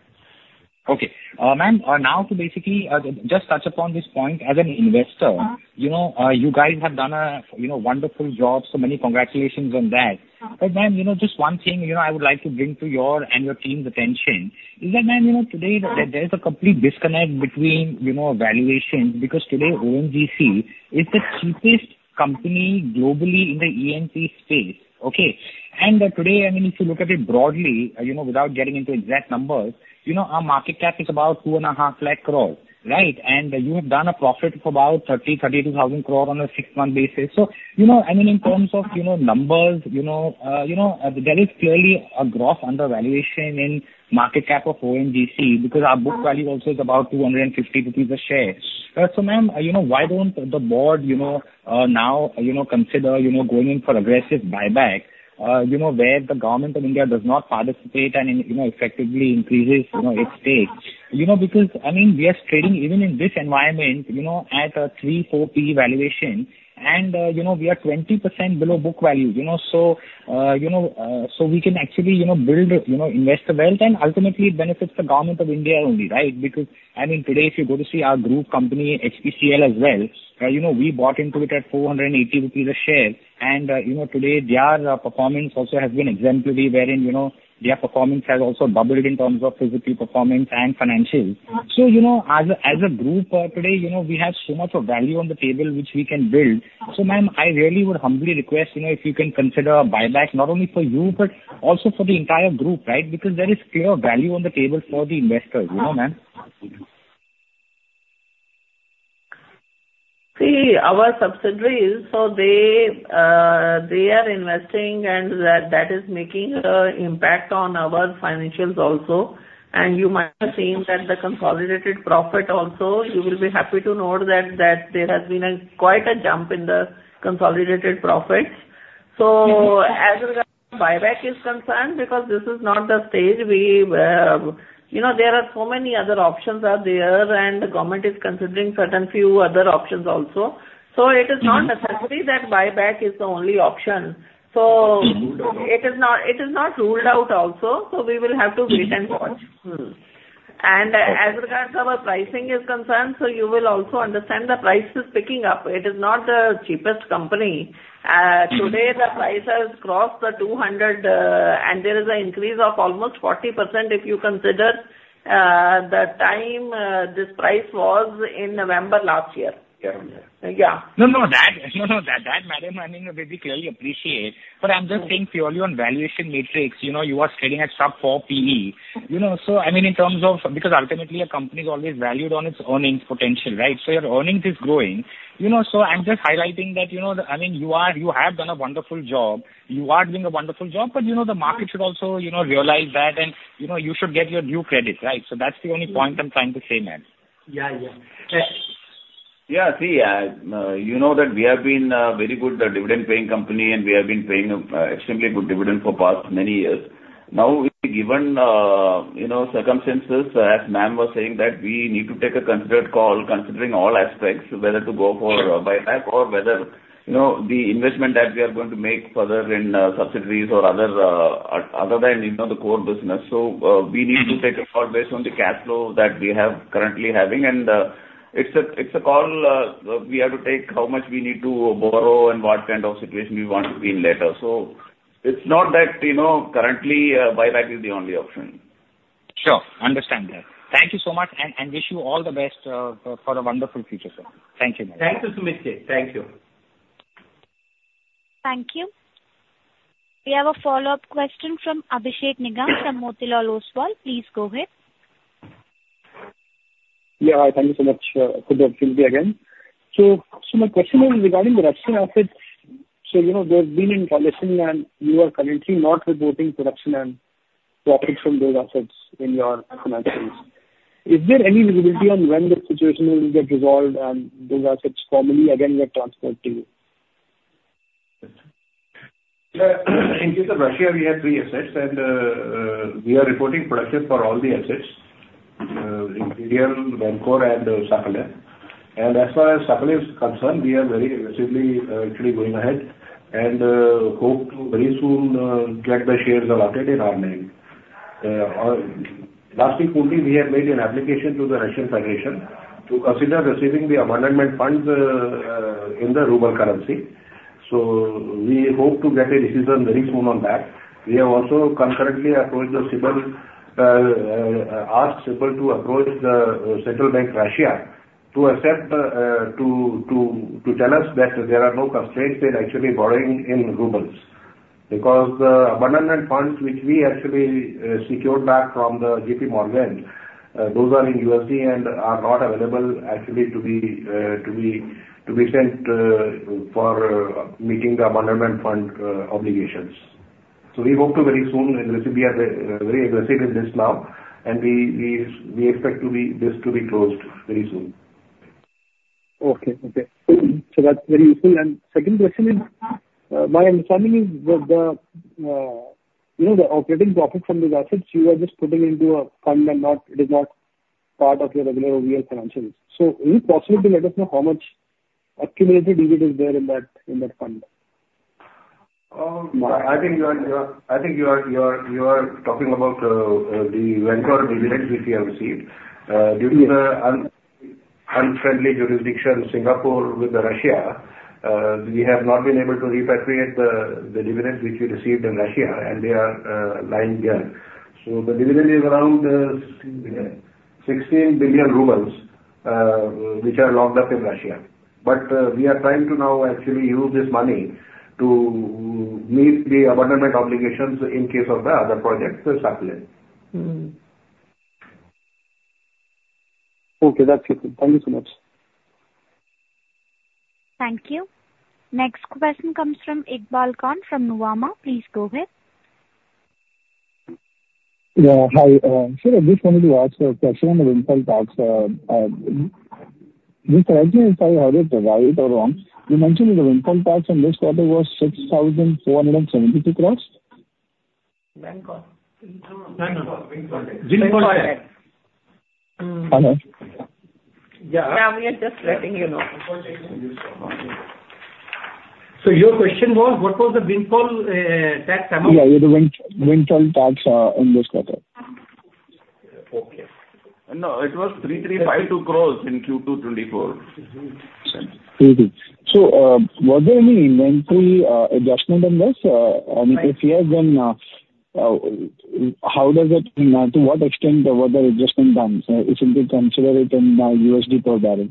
Okay. Ma'am, now to basically just touch upon this point as an investor, you know, you guys have done a, you know, wonderful job, so many congratulations on that. But ma'am, you know, just one thing, you know, I would like to bring to your and your team's attention is that, ma'am, you know, today there is a complete disconnect between, you know, valuations, because today ONGC is the cheapest company globally in the E&P space, okay? And today, I mean, if you look at it broadly, you know, without getting into exact numbers, you know, our market cap is about 250,000 crore, right? And you have done a profit of about 32,000 crore on a six-month basis. So, you know, I mean, in terms of, you know, numbers, you know, there is clearly a gross undervaluation in market cap of ONGC, because our book value also is about 250 rupees a share. So ma'am, you know, why don't the board, you know, now, you know, consider, you know, going in for aggressive buyback, you know, where the government of India does not participate and, you know, effectively increases, you know, its stake? You know, because, I mean, we are trading even in this environment, you know, at a 3-4 PE valuation, and, you know, we are 20% below book value. You know, so, you know, so we can actually, you know, build, you know, investor wealth and ultimately it benefits the government of India only, right? Because, I mean, today, if you go to see our group company, HPCL as well, you know, we bought into it at 480 rupees a share, and, you know, today their performance also has been exemplary, wherein, you know, their performance has also doubled in terms of physical performance and financials. So, you know, as a, as a group, today, you know, we have so much of value on the table, which we can build. So, ma'am, I really would humbly request, you know, if you can consider a buyback, not only for you, but also for the entire group, right? Because there is clear value on the table for the investors, you know, ma'am. See, our subsidiaries, so they, they are investing, and that, that is making an impact on our financials also. And you might have seen that the consolidated profit also, you will be happy to note that, there has been quite a jump in the consolidated profits. So as regards buyback is concerned, because this is not the stage we... You know, there are so many other options are there, and the government is considering certain few other options also. So it is not necessary that buyback is the only option. So it is not, it is not ruled out also, so we will have to wait and watch. As regards our pricing is concerned, so you will also understand the price is picking up. It is not the cheapest company. Today, the price has crossed $200, and there is an increase of almost 40% if you consider the time this price was in November last year. Yeah. Yeah. No, madam, I mean, we clearly appreciate. But I'm just saying purely on valuation metrics, you know, you are trading at sub-four PE. You know, so I mean, in terms of... Because ultimately a company is always valued on its earnings potential, right? So your earnings is growing. You know, so I'm just highlighting that, you know, I mean, you are, you have done a wonderful job, you are doing a wonderful job, but, you know, the market should also, you know, realize that and, you know, you should get your due credit, right? So that's the only point I'm trying to say, ma'am. Yeah, yeah. Yeah, see, you know that we have been a very good dividend-paying company, and we have been paying a, extremely good dividend for past many years. Now, with the given, you know, circumstances, as ma'am was saying, that we need to take a considered call, considering all aspects, whether to go for a buyback or whether, you know, the investment that we are going to make further in, subsidiaries or other, other than, you know, the core business. So, we need to take a call based on the cash flow that we have currently having, and, it's a, it's a call, we have to take, how much we need to borrow and what kind of situation we want to be in later. So it's not that, you know, currently, buyback is the only option. Sure. Understand that. Thank you so much, and wish you all the best for a wonderful future, sir. Thank you, ma'am. Thank you, Sumit. Thank you. Thank you. We have a follow-up question from Abhishek Nigam, from Motilal Oswal. Please go ahead. Yeah, thank you so much for the opportunity again. So my question is regarding the Russian assets. So, you know, there's been a tussle, and you are currently not reporting production and profits from those assets in your financials. Is there any visibility on when the situation will get resolved and those assets formally again get transferred to you? In case of Russia, we have three assets and, we are reporting production for all the assets. ... in India, Vankor and Sakhalin. And as far as Sakhalin is concerned, we are very aggressively, actually going ahead, and hope to very soon get the shares allotted in our name. Last week, we had made an application to the Russian Federation to consider receiving the abandonment funds in the ruble currency. So we hope to get a decision very soon on that. We have also concurrently approached the SBI, asked SBI to approach the Central Bank of Russia to tell us that there are no constraints in actually borrowing in rubles. Because the abandonment funds, which we actually secured back from the J.P. Morgan, those are in USD and are not available actually to be sent for meeting the abandonment fund obligations. So we hope to very soon, and we are very aggressive in this now, and we expect this to be closed very soon. Okay, okay. So that's very useful. And second question is, my understanding is with the, you know, the operating profit from these assets, you are just putting into a fund and not, it is not part of your regular OVL financials. So is it possible to let us know how much accumulated dividend is there in that, in that fund? I think you are talking about the Vankor dividends which we have received. Yes. Due to the unfriendly jurisdiction, Singapore with Russia, we have not been able to repatriate the dividends which we received in Russia, and they are lying there. So the dividend is around 16 billion rubles, which are locked up in Russia. But we are trying to now actually use this money to meet the abandonment obligations in case of the other projects with Sakhalin. Mm. Okay, that's it. Thank you so much. Thank you. Next question comes from Iqbal Khan from Nuvama. Please go ahead. Yeah, hi. So I just wanted to ask a question on the windfall tax. Just correct me if I heard it right or wrong. You mentioned the windfall tax on this quarter was INR 6,472 crore? Vankor. No, Windfall Tax. Windfall tax. Hello? Yeah. Yeah, we are just letting you know. So your question was, what was the windfall tax amount? Yeah, the windfall tax in this quarter. Okay. No, it was 3,352 crore in Q2 2024. Mm-hmm. So, was there any inventory adjustment in this? And if yes, then how does it to what extent were the adjustment done? If you could consider it in USD per barrel.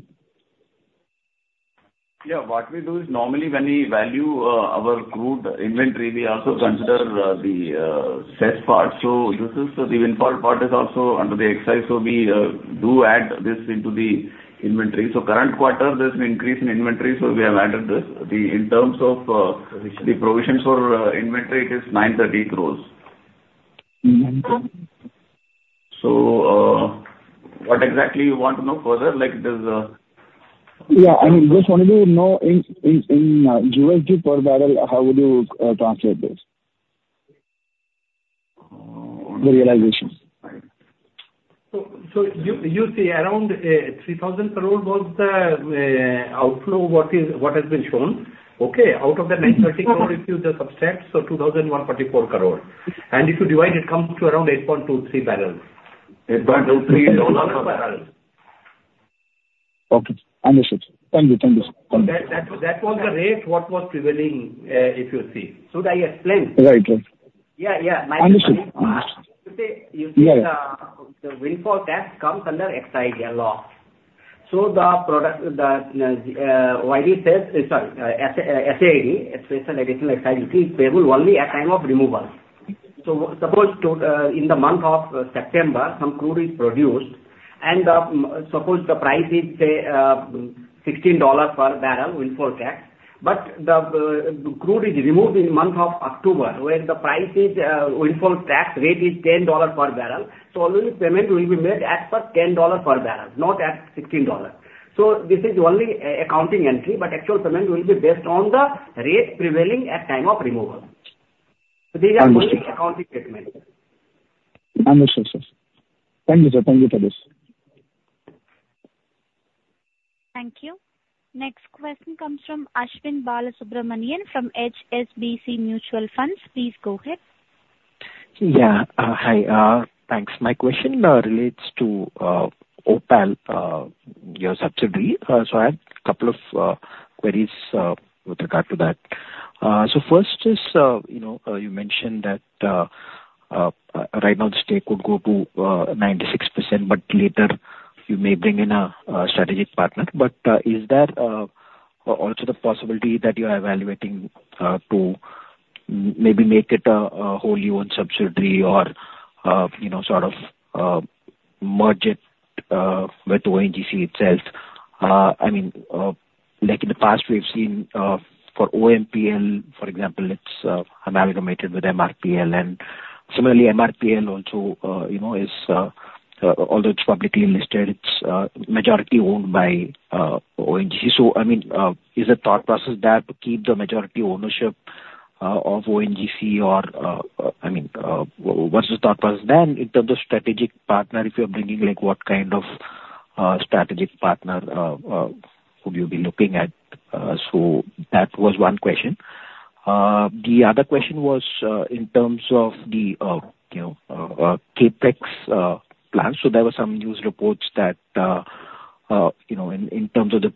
Yeah. What we do is normally when we value our crude inventory, we also consider the sales part. So this is, the windfall part is also under the excise, so we do add this into the inventory. So current quarter, there's an increase in inventory, so we have added this. In terms of the provisions for inventory, it is 930 crore. Mm-hmm. So, what exactly you want to know further? Like, there's a- Yeah, I just wanted to know, in USD per barrel, how would you translate this? Uh. The realization. So you see, around 3,000 crore was the outflow, what has been shown. Okay, out of the 930 crore, if you just subtract, so 2,144 crore. And if you divide, it comes to around 8.23 barrels. 8.23 barrels. Okay, understood. Thank you. Thank you. That was the rate what was prevailing, if you see. Should I explain? Right. Right. Yeah, yeah. Understood. Understood. You see- Yeah. The windfall tax comes under excise law. So the product, the, SAED, Special Additional Excise Duty, is payable only at time of removal. So suppose, in the month of September, some crude is produced, and, suppose the price is, say, $16 per barrel, windfall tax, but the, crude is removed in the month of October, when the price is, windfall tax rate is $10 per barrel. So only payment will be made as per $10 per barrel, not at $16. So this is only an accounting entry, but actual payment will be based on the rate prevailing at time of removal. Understood. These are only accounting statements. Understood, sir. Thank you, sir. Thank you for this. Thank you. Next question comes from Aswin Balasubramanian from HSBC Mutual Fund. Please go ahead. Yeah. Hi, thanks. My question relates to OPaL, your subsidiary. So I have a couple of queries with regard to that. So first is, you know, you mentioned that right now, the stake could go to 96%, but later you may bring in a strategic partner. But is there also the possibility that you're evaluating to maybe make it a wholly owned subsidiary or, you know, sort of merge it with ONGC itself? I mean, like in the past, we've seen for OMPL, for example, it's amalgamated with MRPL. And similarly, MRPL also, you know, is although it's publicly listed, it's majority owned by ONGC. So I mean, is the thought process there to keep the majority ownership?... of ONGC or, I mean, what's the thought process then in terms of strategic partner, if you're bringing, like, what kind of strategic partner would you be looking at? So that was one question. The other question was, in terms of the you know CapEx plan. So there were some news reports that, you know, in terms of the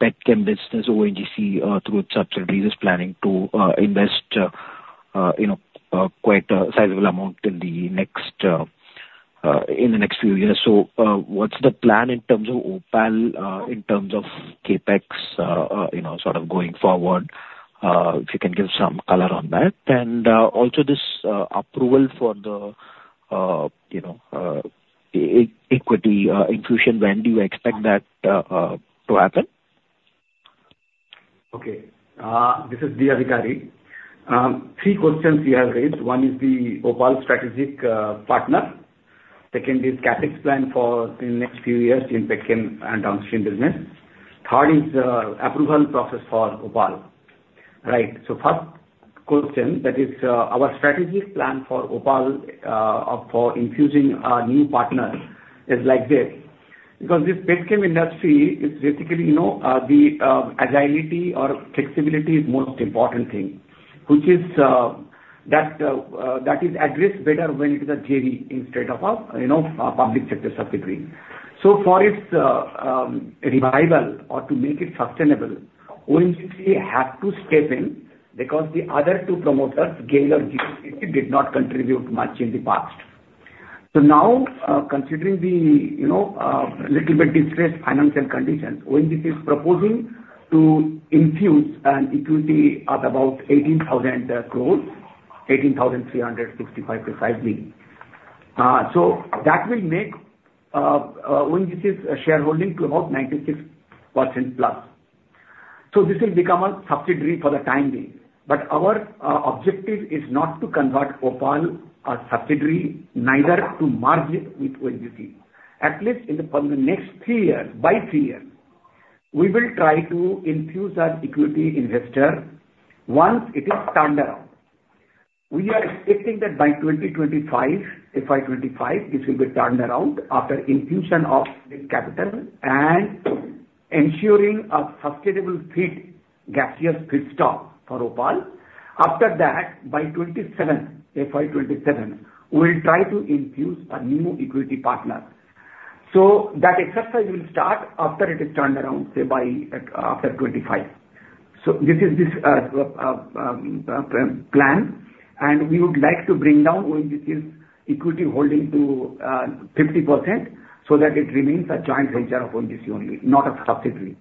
petchem business, ONGC through its subsidiaries, is planning to invest, you know, quite a sizable amount in the next few years. So, what's the plan in terms of OPaL, in terms of CapEx, you know, sort of going forward? If you can give some color on that. And also this approval for the, you know, equity infusion, when do you expect that to happen? Okay. This is D. Adhikari. Three questions you have raised. One is the OPaL strategic partner. Second is CapEx plan for the next few years in petchem and downstream business. Third is approval process for OPaL. Right. So first question, that is our strategic plan for OPaL or for infusing a new partner is like this: because this petchem industry is basically, you know, the agility or flexibility is most important thing, which is that that is addressed better when it is a JV instead of a, you know, a public sector subsidiary. So for its revival or to make it sustainable, ONGC have to step in because the other two promoters, GAIL and GSPC, did not contribute much in the past. So now, considering the, you know, little bit distressed financial conditions, ONGC is proposing to infuse an equity of about 18,000 crore, 18,365 crore precisely. So that will make, ONGC's shareholding to about 96%+. So this will become a subsidiary for the time being, but our, objective is not to convert OPaL a subsidiary, neither to merge it with ONGC. At least in the, for the next three years, by three years, we will try to infuse an equity investor once it is turned around. We are expecting that by 2025, FY 2025, it will be turned around after infusion of the capital and ensuring a sustainable feed, gaseous feed stock for OPaL. After that, by 2027, FY 2027, we'll try to infuse a new equity partner. So that exercise will start after it is turned around, say, by, after 2025. So this is this, plan, and we would like to bring down ONGC's equity holding to, 50%, so that it remains a joint venture of ONGC only, not a subsidiary.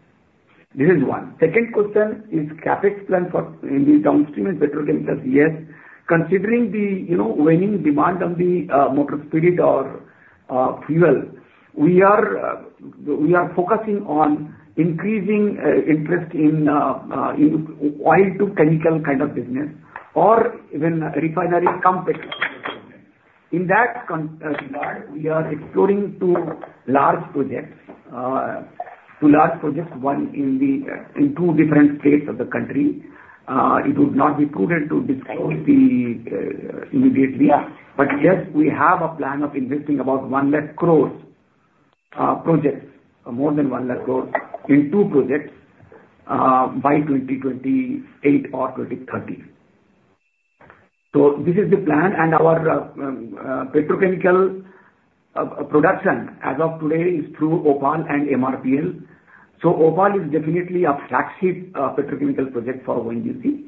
This is one. Second question is CapEx plan for in the downstream and petrochemical. Yes, considering the, you know, waning demand on the, motor spirit or, fuel, we are, we are focusing on increasing, interest in, in oil to chemical kind of business or even refinery. In that regard, we are exploring two large projects, two large projects, one in the, in two different states of the country. It would not be prudent to disclose the, immediately- Yeah. but yes, we have a plan of investing about 100,000 crore, projects, more than 100,000 crore in two projects, by 2028 or 2030. So this is the plan, and our, petrochemical, production as of today, is through OPaL and MRPL. So OPaL is definitely a flagship, petrochemical project for ONGC,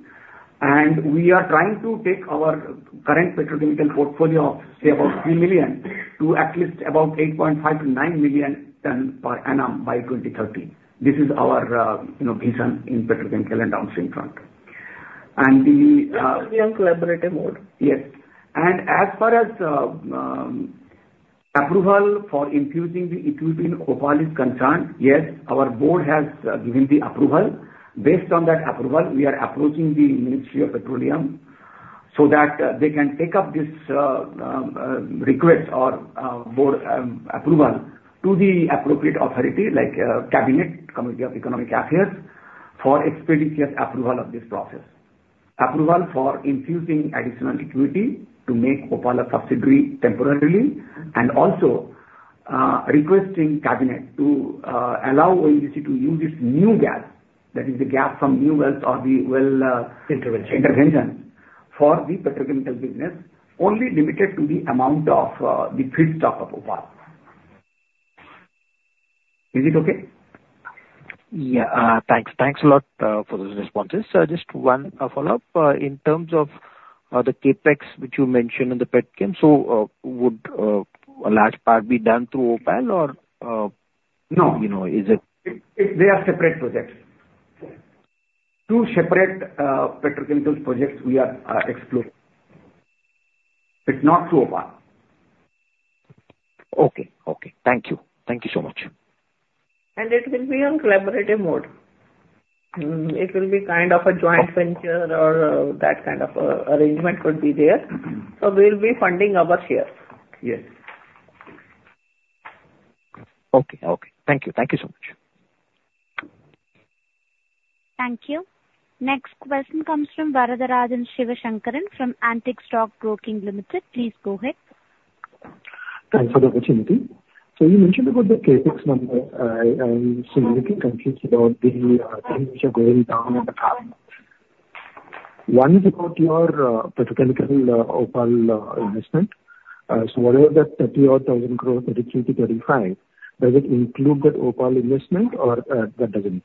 and we are trying to take our current petrochemical portfolio of, say, about 3 million, to at least about 8.5-9 million tons per annum by 2030. This is our, you know, vision in petrochemical and downstream front. And the, We are in collaborative mode. Yes. And as far as approval for infusing the equity in OPaL is concerned, yes, our board has given the approval. Based on that approval, we are approaching the Ministry of Petroleum so that they can take up this request or board approval to the appropriate authority, like Cabinet, Committee of Economic Affairs, for expeditious approval of this process. Approval for infusing additional equity to make OPaL a subsidiary temporarily, and also requesting Cabinet to allow ONGC to use this new gas, that is the gas from new wells or the well- Intervention. -intervention for the petrochemical business, only limited to the amount of, the feed stock of OPaL. Is it okay? Yeah. Thanks. Thanks a lot for those responses. So just one follow-up. In terms of the CapEx, which you mentioned in the petchem, so would a large part be done through OPaL, or- No. You know, is it- It, they are separate projects. Two separate petrochemical projects we are exploring. It's not through OPaL. Okay. Okay, thank you. Thank you so much. It will be on collaborative mode. Mm, it will be kind of a joint venture or that kind of arrangement could be there. Mm-hmm. We'll be funding our share. Yes.... Okay, okay. Thank you. Thank you so much. Thank you. Next question comes from Varatharajan Sivasankaran from Antique Stock Broking. Please go ahead. Thanks for the opportunity. So you mentioned about the CapEx number. I'm slightly confused about the things which are going down over time. One is about your petrochemical OPaL investment. So what is the 32,000 crore-35,000 crore, does it include that OPaL investment or that doesn't?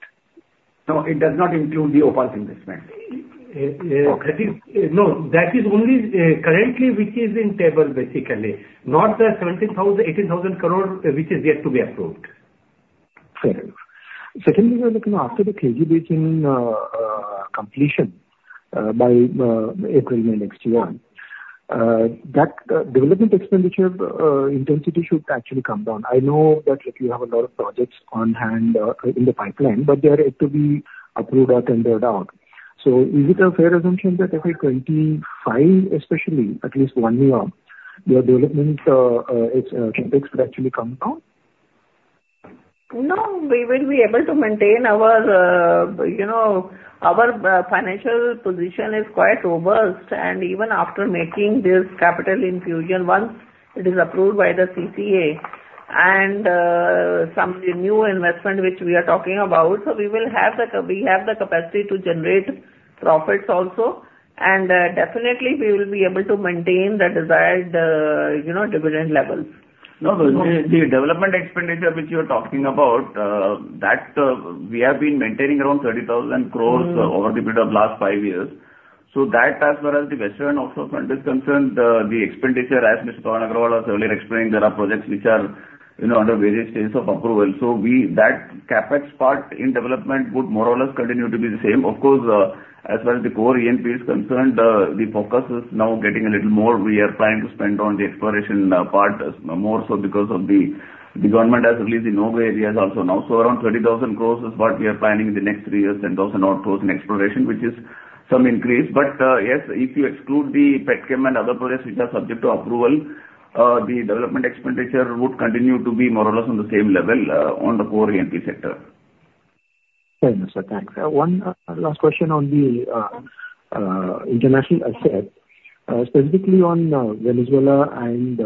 No, it does not include the OPaL investment. I think- No, that is only currently which is in table, basically, not the 17,000 crore-18,000 crore, which is yet to be approved. Fair enough. Secondly, after the KG-DWN-98/2 reaching completion by April next year, that development expenditure intensity should actually come down. I know that you have a lot of projects on hand in the pipeline, but they are yet to be approved or tendered out. So is it a fair assumption that by 2025, especially at least one year, your development its CapEx could actually come down? No, we will be able to maintain our, you know, our financial position is quite robust, and even after making this capital infusion, once it is approved by the CCEA, and some new investment which we are talking about. So we have the capacity to generate profits also, and definitely we will be able to maintain the desired, you know, dividend level. No, the development expenditure which you're talking about, that we have been maintaining around 30,000 crore over the period of last five years. So that as well as the Western Offshore front is concerned, the expenditure, as Mr. Pavan Agarwal has earlier explained, there are projects which are, you know, under various stages of approval. So we, that CapEx part in development would more or less continue to be the same. Of course, as well as the core E&P is concerned, the focus is now getting a little more. We are planning to spend on the exploration, part, as more so because of the, the government has released in no-go areas also now. So around 30,000 crore is what we are planning in the next three years, 10,000-odd crore in exploration, which is some increase. But, yes, if you exclude the Petchem and other projects which are subject to approval, the development expenditure would continue to be more or less on the same level, on the core ENP sector. Fair enough, sir. Thanks. One last question on the international asset, specifically on Venezuela and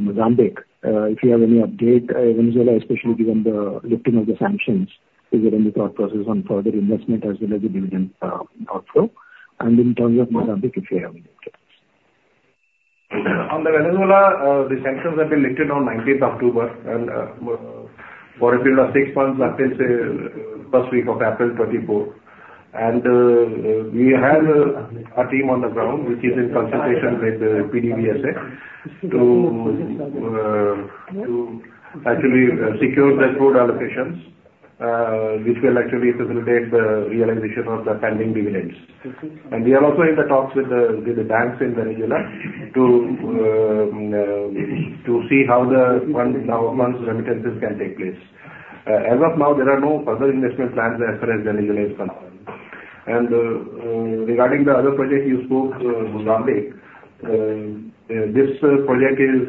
Mozambique. If you have any update, Venezuela, especially given the lifting of the sanctions, is there any thought process on further investment as well as the dividend outflow? And in terms of Mozambique, if you have any updates. On the Venezuela, the sanctions have been lifted on nineteenth October, and for a period of six months, that is, first week of April 2024. We have our team on the ground, which is in consultation with the PDVSA to actually secure the crude allocations, which will actually facilitate the realization of the pending dividends. We are also in the talks with the banks in Venezuela to see how the funds remittances can take place. As of now, there are no further investment plans as far as Venezuela is concerned. Regarding the other project you spoke, Mozambique, this project is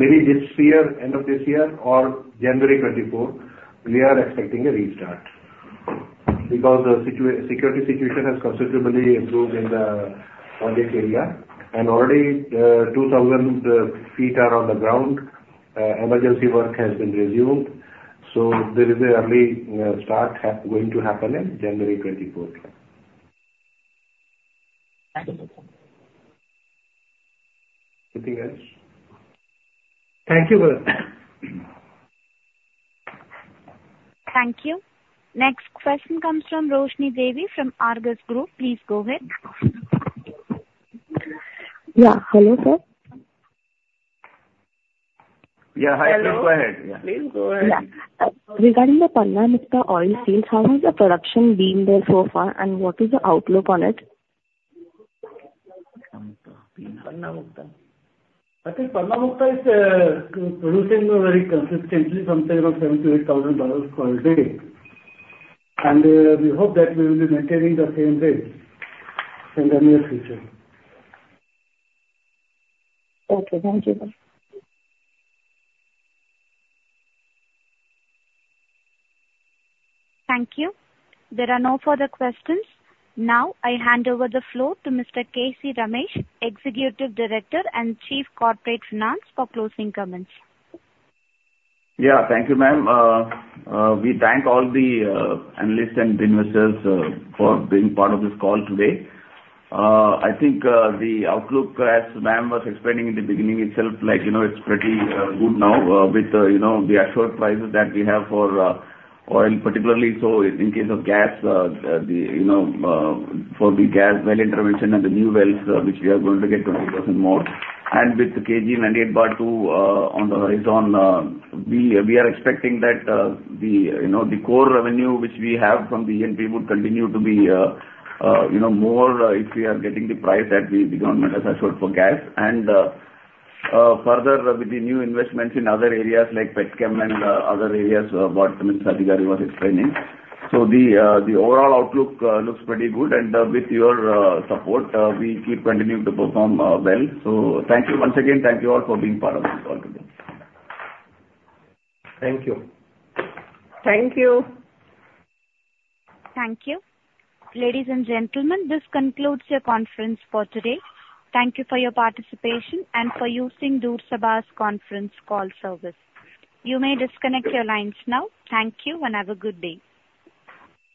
maybe this year, end of this year or January 2024, we are expecting a restart. Because the security situation has considerably improved in the project area, and already, 2,000 feet are on the ground. Emergency work has been resumed, so there is an early start happening in January 2024. Absolutely. Anything else? Thank you very much. Thank you. Next question comes from Roshni Devi from Argus. Please go ahead. Yeah, hello, sir? Yeah, hi. Please go ahead. Hello. Please go ahead. Yeah. Regarding the Panna-Mukta oil fields, how has the production been there so far, and what is the outlook on it? Panna-Mukta. I think Panna-Mukta is producing very consistently, something about 7,000-8,000 barrels per day. We hope that we will be maintaining the same rate in the near future. Okay. Thank you. Thank you. There are no further questions. Now, I hand over the floor to Mr. K.C. Ramesh, Executive Director and Chief Corporate Finance, for closing comments. Yeah. Thank you, ma'am. We thank all the analysts and investors for being part of this call today. I think the outlook, as ma'am was explaining in the beginning itself, like, you know, it's pretty good now with you know the actual prices that we have for oil particularly. So in case of gas, the you know for the gas well intervention and the new wells which we are going to get 20% more. And with the KG-DWN-98/2, we are expecting that the you know the core revenue which we have from the ENP would continue to be you know more if we are getting the price that the government has assured for gas. Further with the new investments in other areas like Petchem and other areas, what Mr. Agarwal was explaining. So the overall outlook looks pretty good, and with your support, we keep continuing to perform well. So thank you once again. Thank you all for being part of this call today. Thank you. Thank you. Thank you. Ladies and gentlemen, this concludes your conference for today. Thank you for your participation and for using Chorus Call Conference Call Service. You may disconnect your lines now. Thank you, and have a good day.